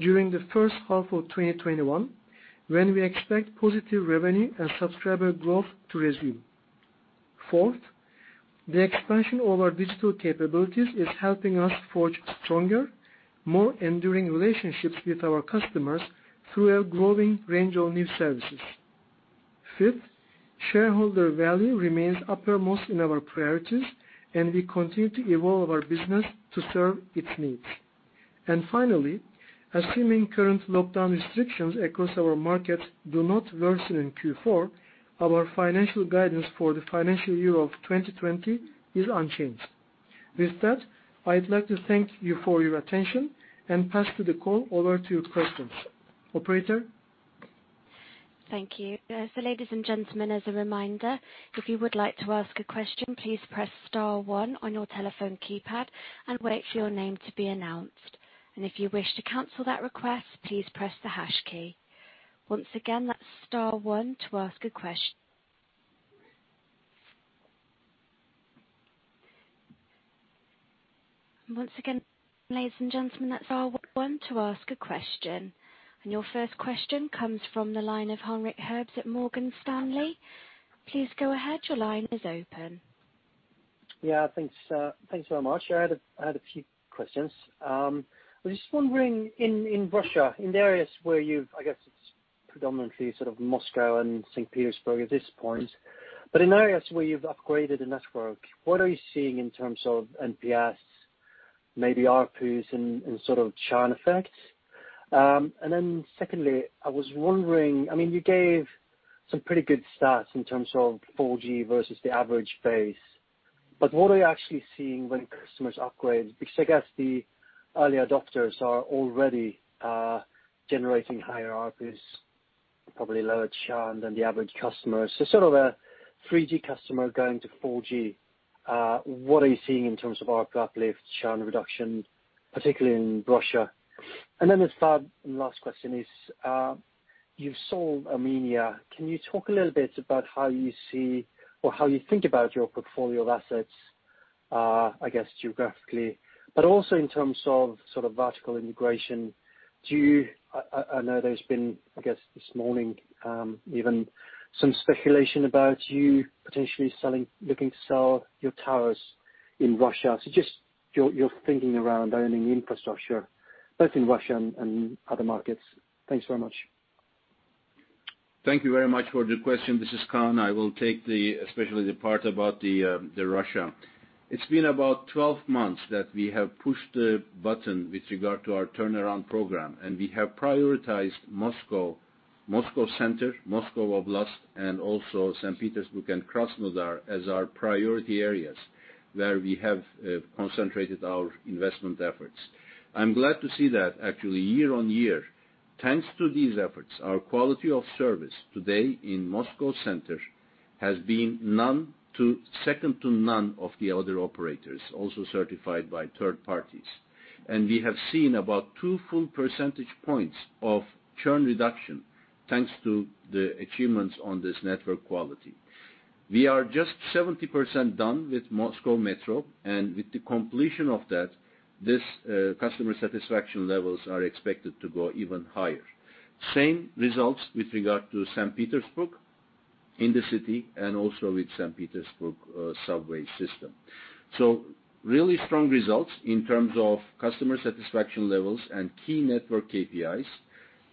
during the first half of 2021, when we expect positive revenue and subscriber growth to resume. Fourth, the expansion of our digital capabilities is helping us forge stronger, more enduring relationships with our customers through a growing range of new services. Fifth, shareholder value remains uppermost in our priorities, and we continue to evolve our business to serve its needs. Finally, assuming current lockdown restrictions across our markets do not worsen in Q4, our financial guidance for the financial year of 2020 is unchanged. With that, I'd like to thank you for your attention and pass the call over to questions. Operator? Thank you. Ladies and gentlemen, as a reminder, if you would like to ask a question, please press star one on your telephone keypad and wait for your name to be announced. If you wish to cancel that request, please press the hash key. Once again, that's star one to ask a question. Once again, ladies and gentlemen, that's star one to ask a question. Your first question comes from the line of Henrik Herbst at Morgan Stanley. Please go ahead. Your line is open. Yeah, thanks very much. I had a few questions. I was just wondering in Russia, in areas where you've, I guess it's predominantly sort of Moscow and St. Petersburg at this point, but in areas where you've upgraded a network, what are you seeing in terms of NPS, maybe ARPUs and sort of churn effects? Secondly, I was wondering, you gave some pretty good stats in terms of 4G versus the average base. What are you actually seeing when customers upgrade? Because I guess the early adopters are already generating higher ARPUs, probably lower churn than the average customer. Sort of a 3G customer going to 4G, what are you seeing in terms of ARPU uplift, churn reduction, particularly in Russia? The third and last question is, you've sold Armenia. Can you talk a little bit about how you see or how you think about your portfolio of assets, I guess, geographically, but also in terms of sort of vertical integration? I know there's been, I guess, this morning even, some speculation about you potentially looking to sell your towers in Russia. Just your thinking around owning infrastructure, both in Russia and other markets. Thanks very much. Thank you very much for the question. This is Kaan. I will take especially the part about Russia. It's been about 12 months that we have pushed the button with regard to our turnaround program, and we have prioritized Moscow center, Moscow Oblast, and also St. Petersburg and Krasnodar as our priority areas where we have concentrated our investment efforts. I'm glad to see that actually year-on-year, thanks to these efforts, our quality of service today in Moscow center has been second to none of the other operators, also certified by third parties. We have seen about two full percentage points of churn reduction thanks to the achievements on this network quality. We are just 70% done with Moscow Metro, and with the completion of that, these customer satisfaction levels are expected to go even higher. Same results with regard to St. Petersburg in the city and also with St. Petersburg subway system. Really strong results in terms of customer satisfaction levels and key network KPIs.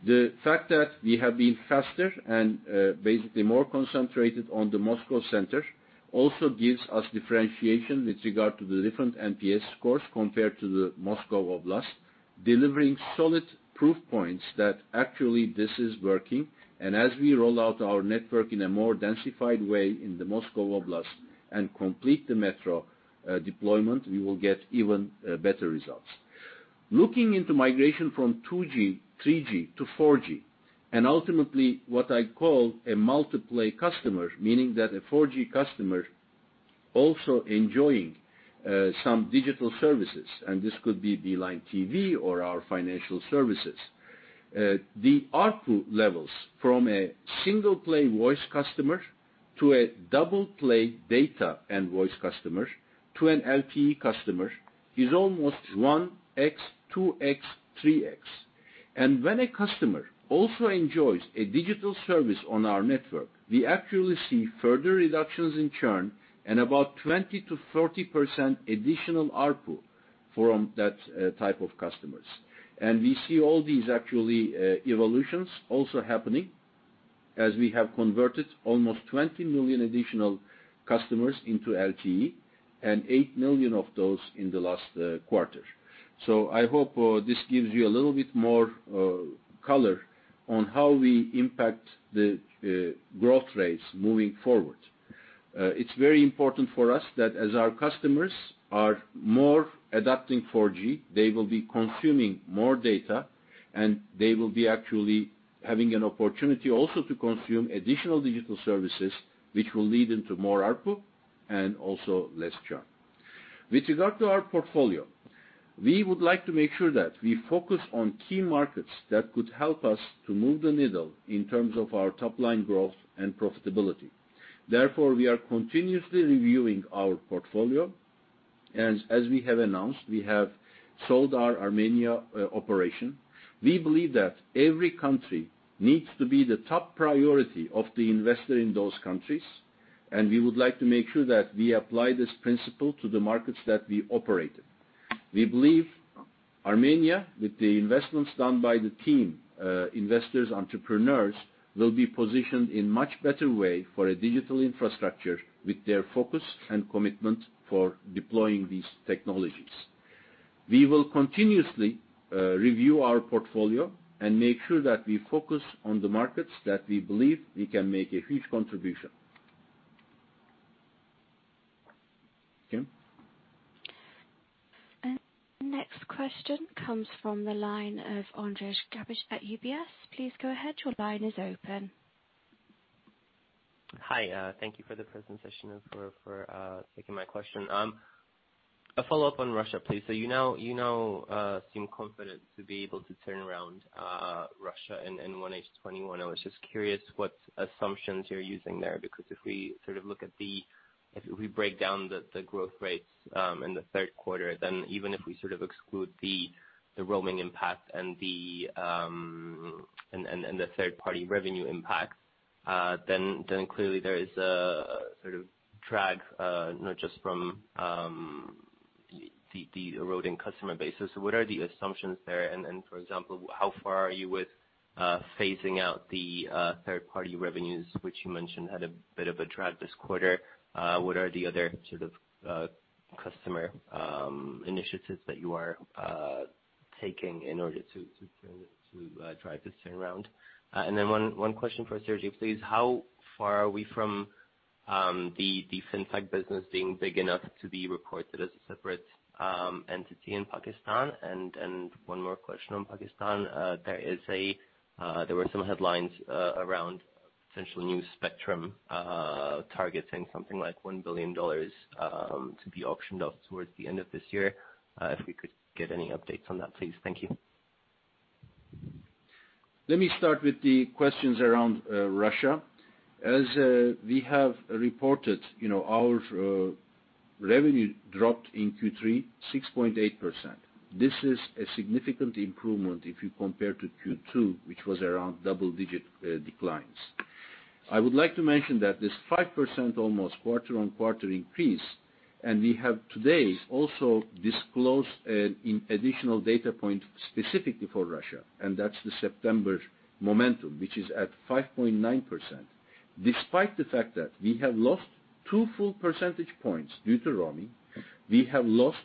The fact that we have been faster and basically more concentrated on the Moscow center also gives us differentiation with regard to the different NPS scores compared to the Moscow Oblast, delivering solid proof points that actually this is working. As we roll out our network in a more densified way in the Moscow Oblast and complete the Metro deployment, we will get even better results. Looking into migration from 2G, 3G-4G, and ultimately what I call a multi-play customer, meaning that a 4G customer also enjoying some digital services, and this could be Beeline TV or our financial services. The ARPU levels from a single-play voice customer to a double-play data and voice customer to an LTE customer is almost 1X, 2X, 3X. When a customer also enjoys a digital service on our network, we actually see further reductions in churn and about 20%-40% additional ARPU from that type of customers. We see all these actually evolutions also happening as we have converted almost 20 million additional customers into LTE and 8 million of those in the last quarter. I hope this gives you a little bit more color on how we impact the growth rates moving forward. It's very important for us that as our customers are more adapting 4G, they will be consuming more data, and they will be actually having an opportunity also to consume additional digital services, which will lead into more ARPU and also less churn. With regard to our portfolio, we would like to make sure that we focus on key markets that could help us to move the needle in terms of our top-line growth and profitability. Therefore, we are continuously reviewing our portfolio, and as we have announced, we have sold our Armenia operation. We believe that every country needs to be the top priority of the investor in those countries, and we would like to make sure that we apply this principle to the markets that we operate in. We believe Armenia, with the investments done by the team investors, entrepreneurs, will be positioned in much better way for a digital infrastructure with their focus and commitment for deploying these technologies. We will continuously review our portfolio and make sure that we focus on the markets that we believe we can make a huge contribution. Kim? Next question comes from the line of Ondrej Cabejšek at UBS. Please go ahead. Your line is open. Hi. Thank you for the presentation and for taking my question. A follow-up on Russia, please. You now seem confident to be able to turn around Russia in 1H 2021. I was just curious what assumptions you're using there, because if we break down the growth rates in the third quarter, then even if we exclude the roaming impact and the third-party revenue impact, then clearly there is a drag, not just from the eroding customer base. What are the assumptions there? For example, how far are you with phasing out the third-party revenues, which you mentioned had a bit of a drag this quarter? What are the other customer initiatives that you are taking in order to drive this turnaround? Then one question for Sergio, please. How far are we from the FinTech business being big enough to be reported as a separate entity in Pakistan? One more question on Pakistan. There were some headlines around potential new spectrum targeting something like $1 billion to be auctioned off towards the end of this year. If we could get any updates on that, please. Thank you. Let me start with the questions around Russia. As we have reported, our revenue dropped in Q3, 6.8%. This is a significant improvement if you compare to Q2, which was around double-digit declines. I would like to mention that this 5%, almost quarter-on-quarter increase, and we have today also disclosed an additional data point specifically for Russia, and that's the September momentum, which is at 5.9%. Despite the fact that we have lost two full percentage points due to roaming, we have lost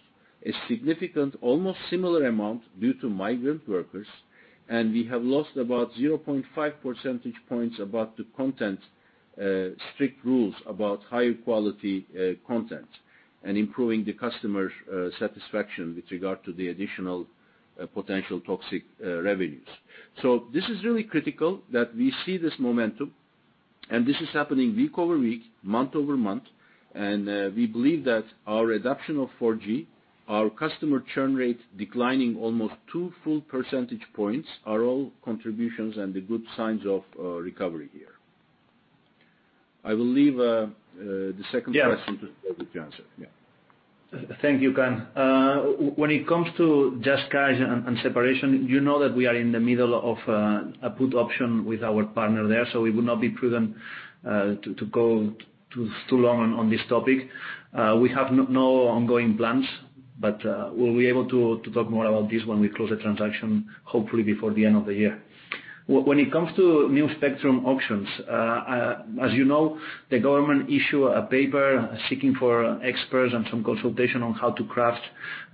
a significant, almost similar amount due to migrant workers, and we have lost about 0.5 percentage points above the content strict rules about higher quality content and improving the customer satisfaction with regard to the additional potential toxic revenues. This is really critical that we see this momentum, and this is happening week-over-week, month-over-month, and we believe that our adoption of 4G, our customer churn rate declining almost two full percentage points are all contributions and the good signs of recovery here. Yes to Sergi to answer. Yeah. Thank you, Kaan. When it comes to JazzCash and separation, you know that we are in the middle of a put option with our partner there, so it would not be prudent to go too long on this topic. We have no ongoing plans, but will be able to talk more about this when we close the transaction, hopefully before the end of the year. When it comes to new spectrum options, as you know, the government issue a paper seeking for experts and some consultation on how to craft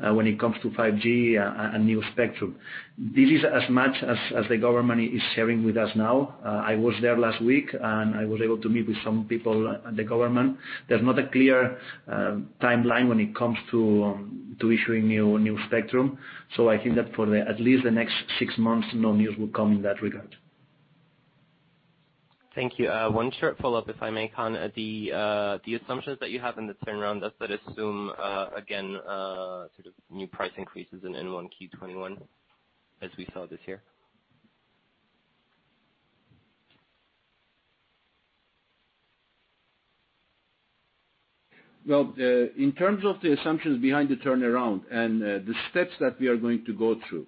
when it comes to 5G, a new spectrum. This is as much as the government is sharing with us now. I was there last week, and I was able to meet with some people at the government. There's not a clear timeline when it comes to issuing new spectrum. I think that for at least the next six months, no news will come in that regard. Thank you. One short follow-up, if I may, Kaan. The assumptions that you have in the turnaround, does that assume, again, new price increases in 1Q 2021 as we saw this year? Well, in terms of the assumptions behind the turnaround and the steps that we are going to go through,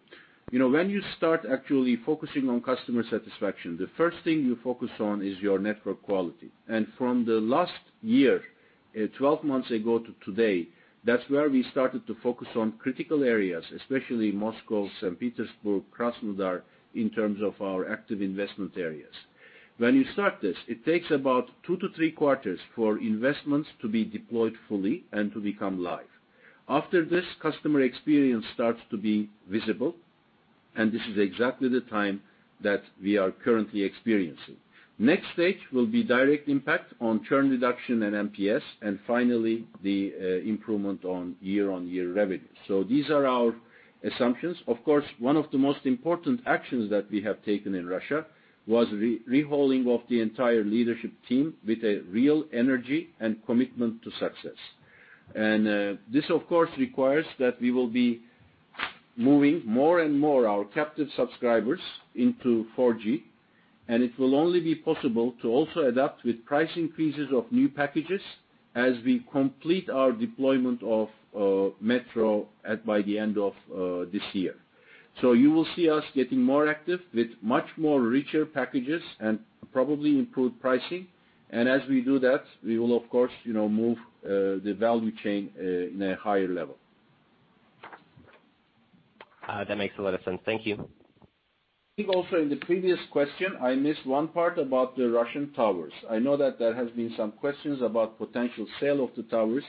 when you start actually focusing on customer satisfaction, the first thing you focus on is your network quality. From the last year, 12 months ago to today, that's where we started to focus on critical areas, especially Moscow, St. Petersburg, Krasnodar, in terms of our active investment areas. When you start this, it takes about 2-3 quarters for investments to be deployed fully and to become live. After this, customer experience starts to be visible, and this is exactly the time that we are currently experiencing. Next stage will be direct impact on churn reduction and NPS, and finally, the improvement on year-on-year revenue. These are our assumptions. Of course, one of the most important actions that we have taken in Russia was rehauling of the entire leadership team with a real energy and commitment to success. This, of course, requires that we will be moving more and more our captive subscribers into 4G, and it will only be possible to also adapt with price increases of new packages as we complete our deployment of Metro by the end of this year. You will see us getting more active with much more richer packages and probably improved pricing. As we do that, we will, of course, move the value chain in a higher level. That makes a lot of sense. Thank you. I think also in the previous question, I missed one part about the Russian towers. I know that there has been some questions about potential sale of the towers.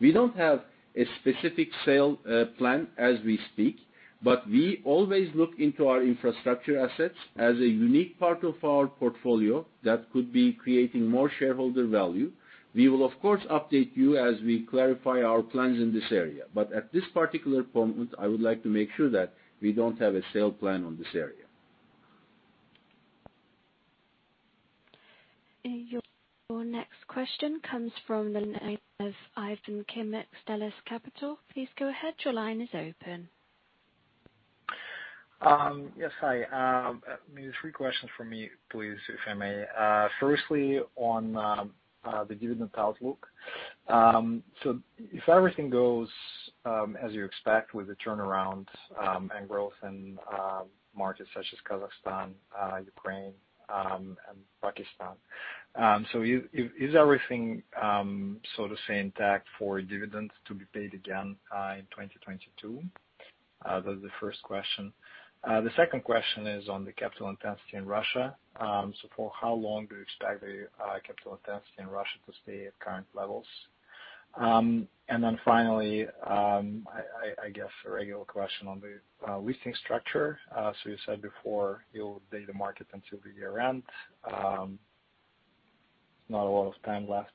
We don't have a specific sale plan as we speak, but we always look into our infrastructure assets as a unique part of our portfolio that could be creating more shareholder value. We will, of course, update you as we clarify our plans in this area. At this particular point, I would like to make sure that we don't have a sale plan on this area. Your next question comes from the line of Ivan Kim at Xtellus Capital. Yes. Hi. Three questions from me, please, if I may. Firstly, on the dividend outlook. If everything goes as you expect with the turnaround and growth in markets such as Kazakhstan, Ukraine, and Pakistan, is everything sort of stay intact for dividends to be paid again, in 2022? That's the first question. The second question is on the capital intensity in Russia. For how long do you expect the capital intensity in Russia to stay at current levels? Finally, I guess a regular question on the leasing structure. You said before you'll update the market until the year-end. Not a lot of time left.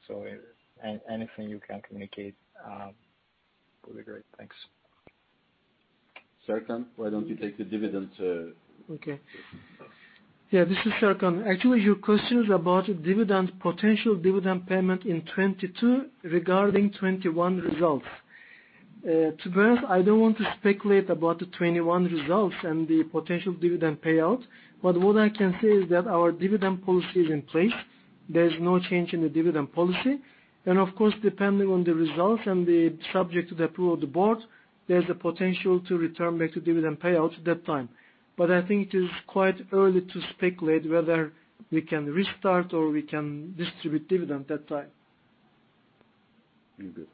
Anything you can communicate, will be great. Thanks. Serkan, why don't you take the dividend? Okay. Yeah, this is Serkan. Actually, your question is about potential dividend payment in 2022 regarding 2021 results. To be honest, I don't want to speculate about the 2021 results and the potential dividend payout. What I can say is that our dividend policy is in place. There's no change in the dividend policy. Of course, depending on the results and the subject to the approval of the board, there's a potential to return back to dividend payout at that time. I think it is quite early to speculate whether we can restart, or we can distribute dividend that time. Very good.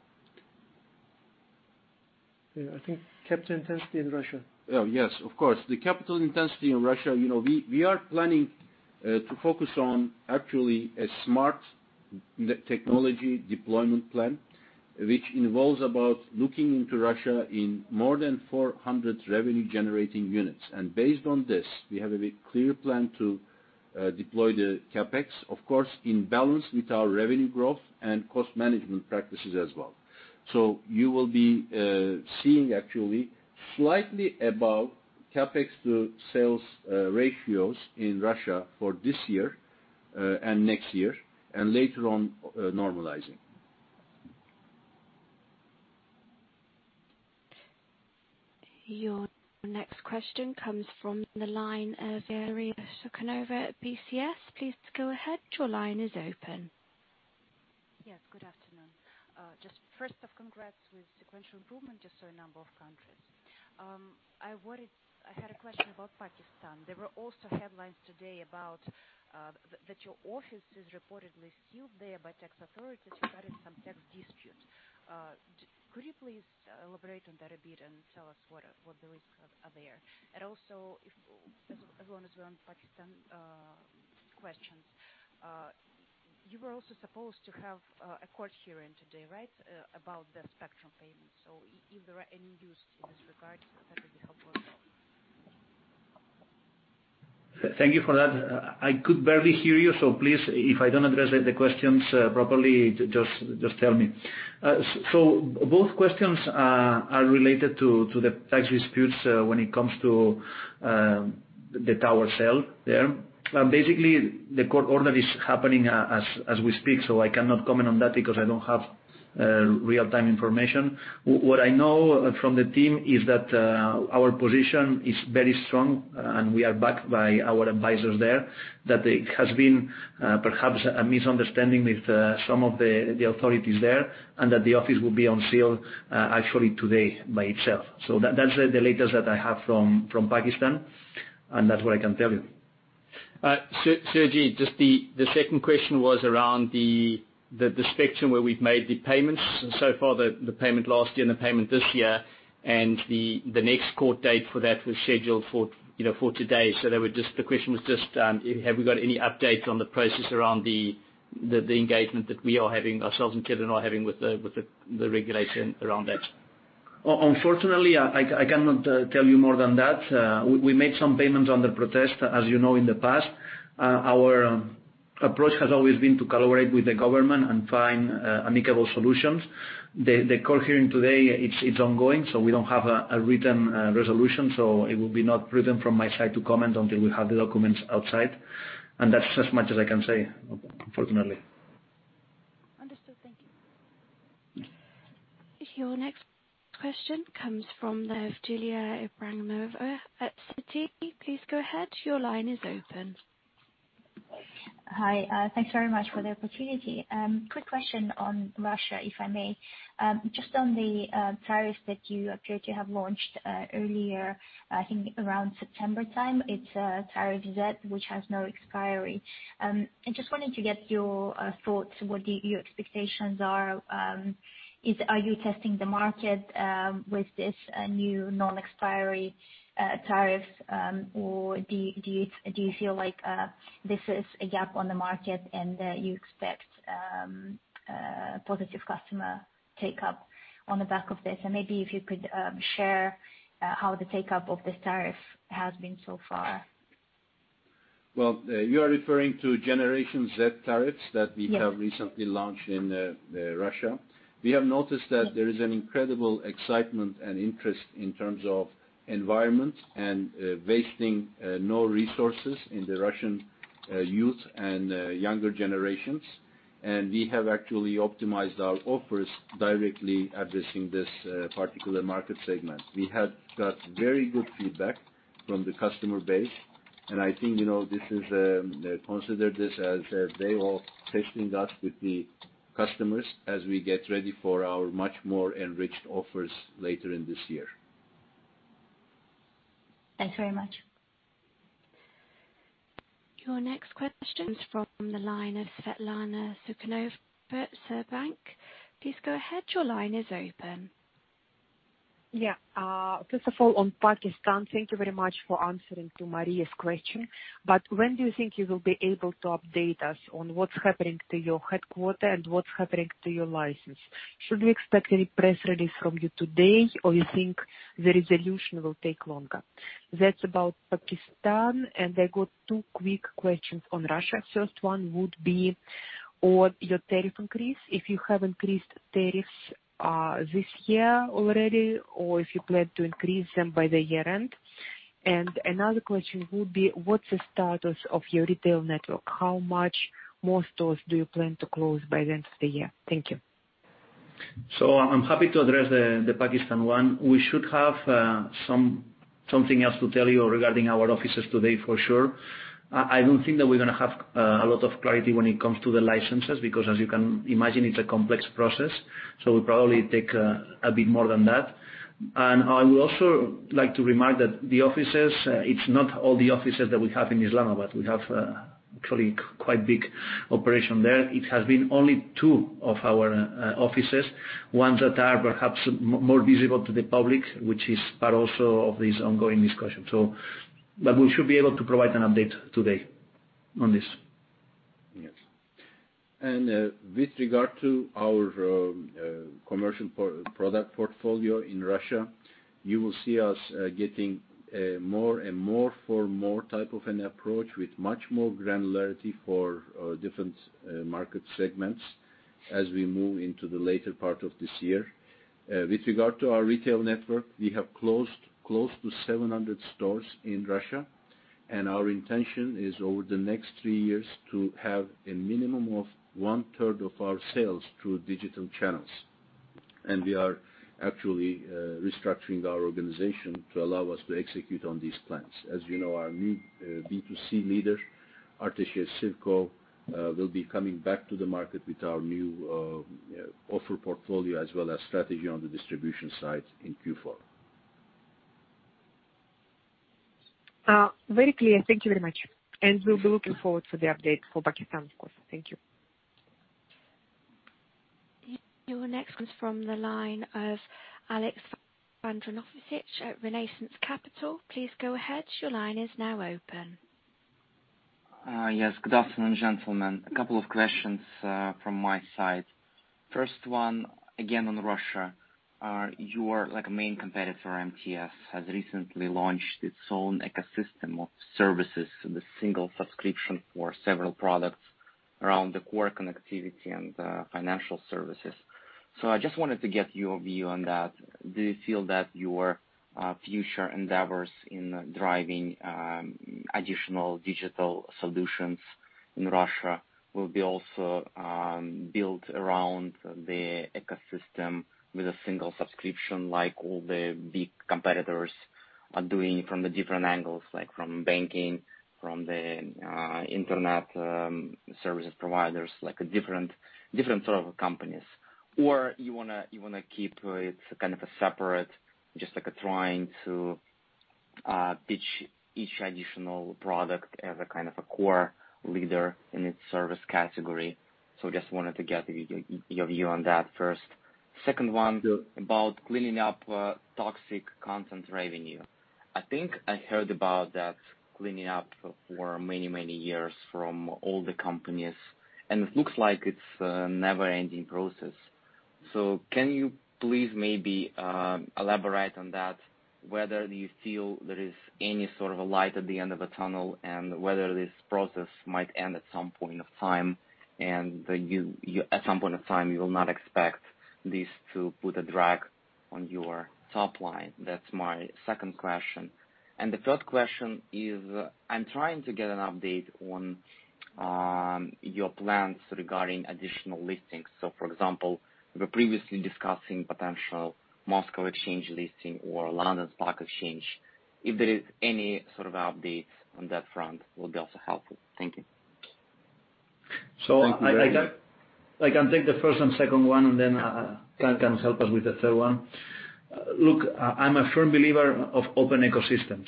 Yeah. I think capital intensity in Russia. Yes, of course. The capital intensity in Russia, we are planning to focus on actually a smart technology deployment plan, which involves about looking into Russia in more than 400 revenue-generating units. Based on this, we have a very clear plan to deploy the CapEx, of course, in balance with our revenue growth and cost management practices as well. You will be seeing actually slightly above CapEx to sales ratios in Russia for this year and next year, and later on normalizing. Your next question comes from the line of Maria Sukhanova at BCS. Please go ahead. Your line is open. Yes, good afternoon. Just first off, congrats with sequential improvement just in a number of countries. I had a question about Pakistan. There were also headlines today about that your office is reportedly sealed there by tax authorities regarding some tax disputes. Could you please elaborate on that a bit and tell us what the risks are there? Also as long as we're on Pakistan questions, you were also supposed to have a court hearing today, right? About the spectrum payments. If there are any news in this regard, that would be helpful as well. Thank you for that. I could barely hear you, so please, if I don't address the questions properly, just tell me. Both questions are related to the tax disputes when it comes to the tower cell there. Basically, the court order is happening as we speak, so I cannot comment on that because I don't have real-time information. What I know from the team is that our position is very strong, and we are backed by our advisors there, that it has been perhaps a misunderstanding with some of the authorities there, and that the office will be unsealed actually today by itself. That's the latest that I have from Pakistan, and that's what I can tell you. Sergi, just the second question was around the spectrum where we've made the payments. The payment last year and the payment this year, and the next court date for that was scheduled for today. The question was just, have we got any updates on the process around the engagement that we are having, ourselves and Tele2 are having with the regulation around that? Unfortunately, I cannot tell you more than that. We made some payments under protest, as you know, in the past. Our approach has always been to collaborate with the government and find amicable solutions. The court hearing today, it's ongoing, so we don't have a written resolution. It will be not prudent from my side to comment until we have the documents outside, and that's as much as I can say, unfortunately. Your next question comes from Julia Ivanova at Citi. Please go ahead. Hi. Thanks very much for the opportunity. Quick question on Russia, if I may. Just on the tariffs that you appear to have launched earlier, I think around September time, it's a tariff which has no expiry. I just wanted to get your thoughts, what your expectations are. Are you testing the market with this new non-expiry tariff? Do you feel like this is a gap on the market, and that you expect positive customer take-up on the back of this? Maybe if you could share how the take-up of this tariff has been so far. You are referring to generation Z tariffs that we have recently launched in Russia. We have noticed that there is an incredible excitement and interest in terms of environment and wasting no resources in the Russian youth and younger generations. We have actually optimized our offers directly addressing this particular market segment. We have got very good feedback from the customer base, and I think, consider this as they are testing us with the customers as we get ready for our much more enriched offers later in this year. Thanks very much. Your next question is from the line of Svetlana Sukhanova, Sberbank. Please go ahead. Your line is open. First of all, on Pakistan, thank you very much for answering to Maria's question. When do you think you will be able to update us on what's happening to your headquarter and what's happening to your license? Should we expect any press release from you today, or you think the resolution will take longer? That's about Pakistan. I got two quick questions on Russia. First one would be on your tariff increase, if you have increased tariffs this year already, or if you plan to increase them by the year-end. Another question would be, what's the status of your retail network? How many more stores do you plan to close by the end of the year? Thank you. I'm happy to address the Pakistan one. We should have something else to tell you regarding our offices today, for sure. I don't think that we're going to have a lot of clarity when it comes to the licenses, because as you can imagine, it's a complex process, so will probably take a bit more than that. I would also like to remark that the offices, it's not all the offices that we have in Islamabad. We have actually quite a big operation there. It has been only two of our offices, ones that are perhaps more visible to the public, which is part also of these ongoing discussions. We should be able to provide an update today on this. Yes. With regard to our commercial product portfolio in Russia, you will see us getting a more and more for more type of an approach with much more granularity for different market segments as we move into the later part of this year. With regard to our retail network, we have closed close to 700 stores in Russia, our intention is over the next three years to have a minimum of 1/3 of our sales through digital channels. We are actually restructuring our organization to allow us to execute on these plans. As you know, our new B2C Leader, Artjes Sivko will be coming back to the market with our new offer portfolio as well as strategy on the distribution side in Q4. Very clear. Thank you very much. We'll be looking forward to the update for Pakistan, of course. Thank you. Your next comes from the line of Alexander Vengranovich at Renaissance Capital. Please go ahead. Your line is now open. Yes. Good afternoon, gentlemen. A couple of questions from my side. First one, again on Russia. Your main competitor, MTS, has recently launched its own ecosystem of services with a single subscription for several products around the core connectivity and financial services. I just wanted to get your view on that. Do you feel that your future endeavors in driving additional digital solutions in Russia will be also built around the ecosystem with a single subscription like all the big competitors are doing from the different angles, like from banking, from the internet services providers, like different sort of companies, or you want to keep it kind of separate, just trying to pitch each additional product as a kind of a core leader in its service category? Just wanted to get your view on that first. Second one, about cleaning up toxic content revenue. I think I heard about that cleaning up for many, many years from all the companies, and it looks like it's a never-ending process. Can you please maybe elaborate on that, whether you feel there is any sort of a light at the end of the tunnel, and whether this process might end at some point of time, and at some point of time, you will not expect this to put a drag on your top line. That's my second question. The third question is, I'm trying to get an update on your plans regarding additional listings. For example, we were previously discussing potential Moscow Exchange listing or London Stock Exchange. If there is any sort of update on that front, will be also helpful. Thank you. I can take the first and second one, and then Kaan can help us with the third one. Look, I'm a firm believer of open ecosystems.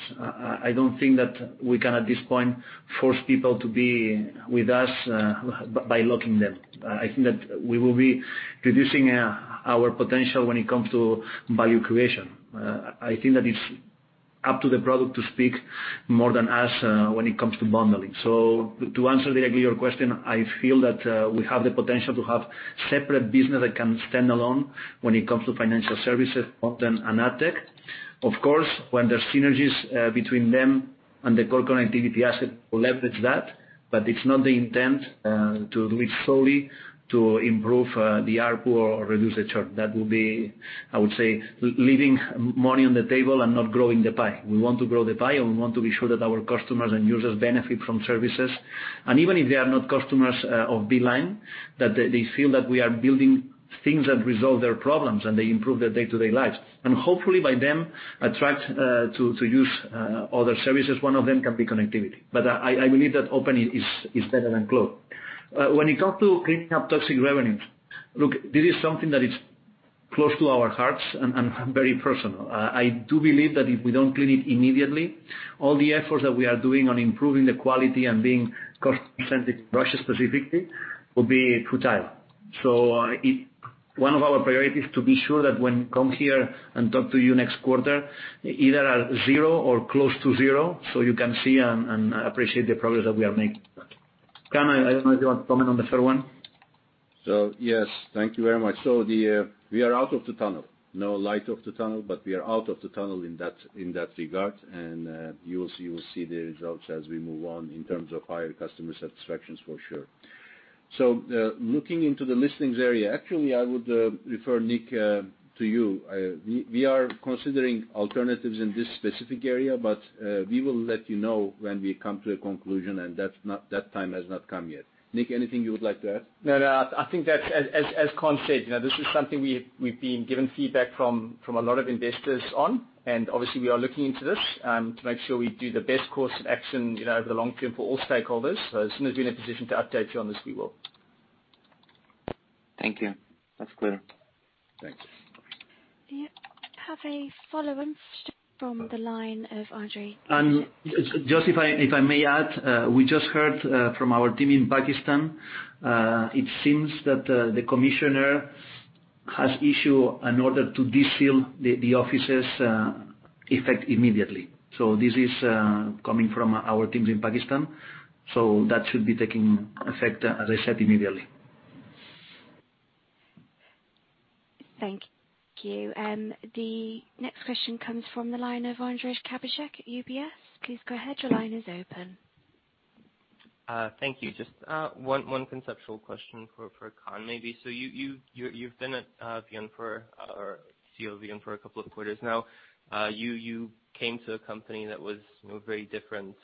I don't think that we can, at this point, force people to be with us by locking them. I think that we will be reducing our potential when it comes to value creation. I think that it's up to the product to speak more than us when it comes to bundling. To answer directly your question, I feel that we have the potential to have separate business that can stand alone when it comes to financial services, content, and tech. Of course, when there's synergies between them and the core connectivity asset, we'll leverage that, but it's not the intent to do it solely to improve the ARPU or reduce the churn. That will be, I would say, leaving money on the table and not growing the pie. We want to grow the pie, and we want to be sure that our customers and users benefit from services. Even if they are not customers of Beeline, that they feel that we are building things that resolve their problems and they improve their day-to-day lives. Hopefully by them, attract to use other services, one of them can be connectivity. I believe that open is better than closed. When it comes to cleaning up toxic revenues, look, this is something that is close to our hearts and very personal. I do believe that if we don't clean it immediately, all the efforts that we are doing on improving the quality and being cost-centric in Russia specifically, will be futile. One of our priorities is to be sure that when we come here and talk to you next quarter, either at zero or close to zero, so you can see and appreciate the progress that we are making. Kaan, I do not know if you want to comment on the third one. Yes. Thank you very much. We are out of the tunnel. No light of the tunnel, but we are out of the tunnel in that regard, and you will see the results as we move on in terms of higher customer satisfactions, for sure. Looking into the listings area, actually, I would refer Nik to you. We are considering alternatives in this specific area, but we will let you know when we come to a conclusion, and that time has not come yet. Nik, anything you would like to add? I think as Kaan said, this is something we've been given feedback from a lot of investors on. Obviously, we are looking into this to make sure we do the best course of action over the long term for all stakeholders. As soon as we're in a position to update you on this, we will. Thank you. That's clear. Thanks. You have a follow-on from the line of Ondrej. Just if I may add, we just heard from our team in Pakistan, it seems that the commissioner has issued an order to de-seal the offices effect immediately. This is coming from our teams in Pakistan, so that should be taking effect, as I said, immediately. Thank you. The next question comes from the line of Ondrej Cabejšek at UBS. Please go ahead. Thank you. Just one conceptual question for Kaan, maybe. You've been at VEON for, or CEO of VEON for a couple of quarters now. You came to a company that was very different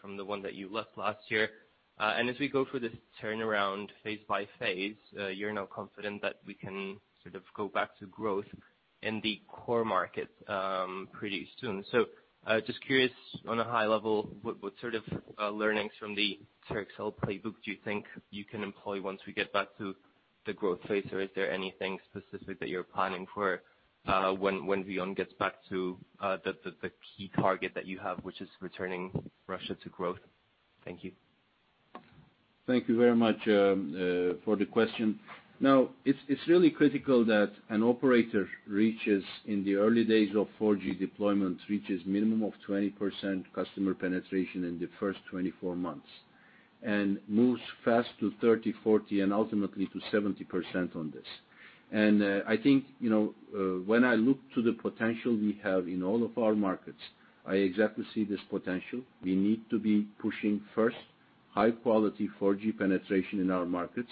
from the one that you left last year. As we go through this turnaround phase by phase, you're now confident that we can sort of go back to growth in the core market pretty soon. Just curious on a high level, what sort of learnings from the Turkcell playbook do you think you can employ once we get back to the growth phase? Is there anything specific that you're planning for when VEON gets back to the key target that you have, which is returning Russia to growth? Thank you. Thank you very much for the question. It's really critical that an operator, in the early days of 4G deployment, reaches minimum of 20% customer penetration in the first 24 months, and moves fast to 30%, 40%, and ultimately to 70% on this. I think, when I look to the potential we have in all of our markets, I exactly see this potential. We need to be pushing first high-quality 4G penetration in our markets,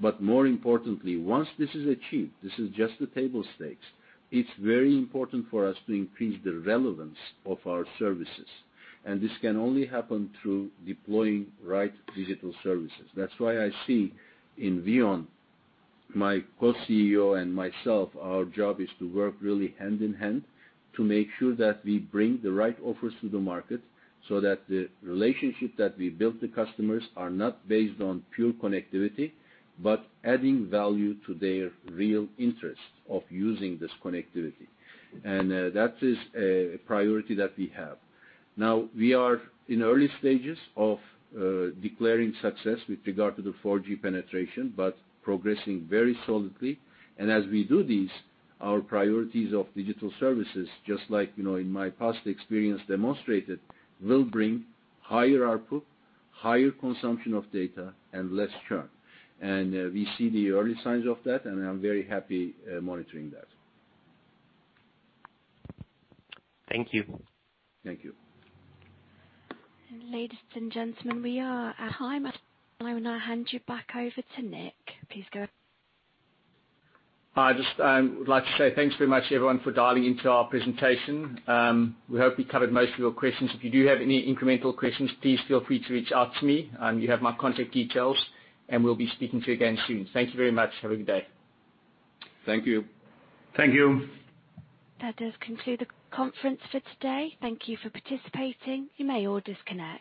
but more importantly, once this is achieved, this is just the table stakes, it's very important for us to increase the relevance of our services. This can only happen through deploying right digital services. That's why I see in VEON, my Co-CEO and myself, our job is to work really hand in hand to make sure that we bring the right offers to the market so that the relationship that we build with customers are not based on pure connectivity, but adding value to their real interest of using this connectivity. That is a priority that we have. Now, we are in early stages of declaring success with regard to the 4G penetration, but progressing very solidly. As we do these, our priorities of digital services, just like in my past experience demonstrated, will bring higher ARPU, higher consumption of data, and less churn. We see the early signs of that, and I'm very happy monitoring that. Thank you. Thank you. Ladies and gentlemen, we are at high time, and I hand you back over to Nik. Please go ahead. I just would like to say thanks very much everyone for dialing into our presentation. We hope we covered most of your questions. If you do have any incremental questions, please feel free to reach out to me. You have my contact details, and we'll be speaking to you again soon. Thank you very much. Have a good day. Thank you. Thank you. That does conclude the conference for today. Thank you for participating. You may all disconnect.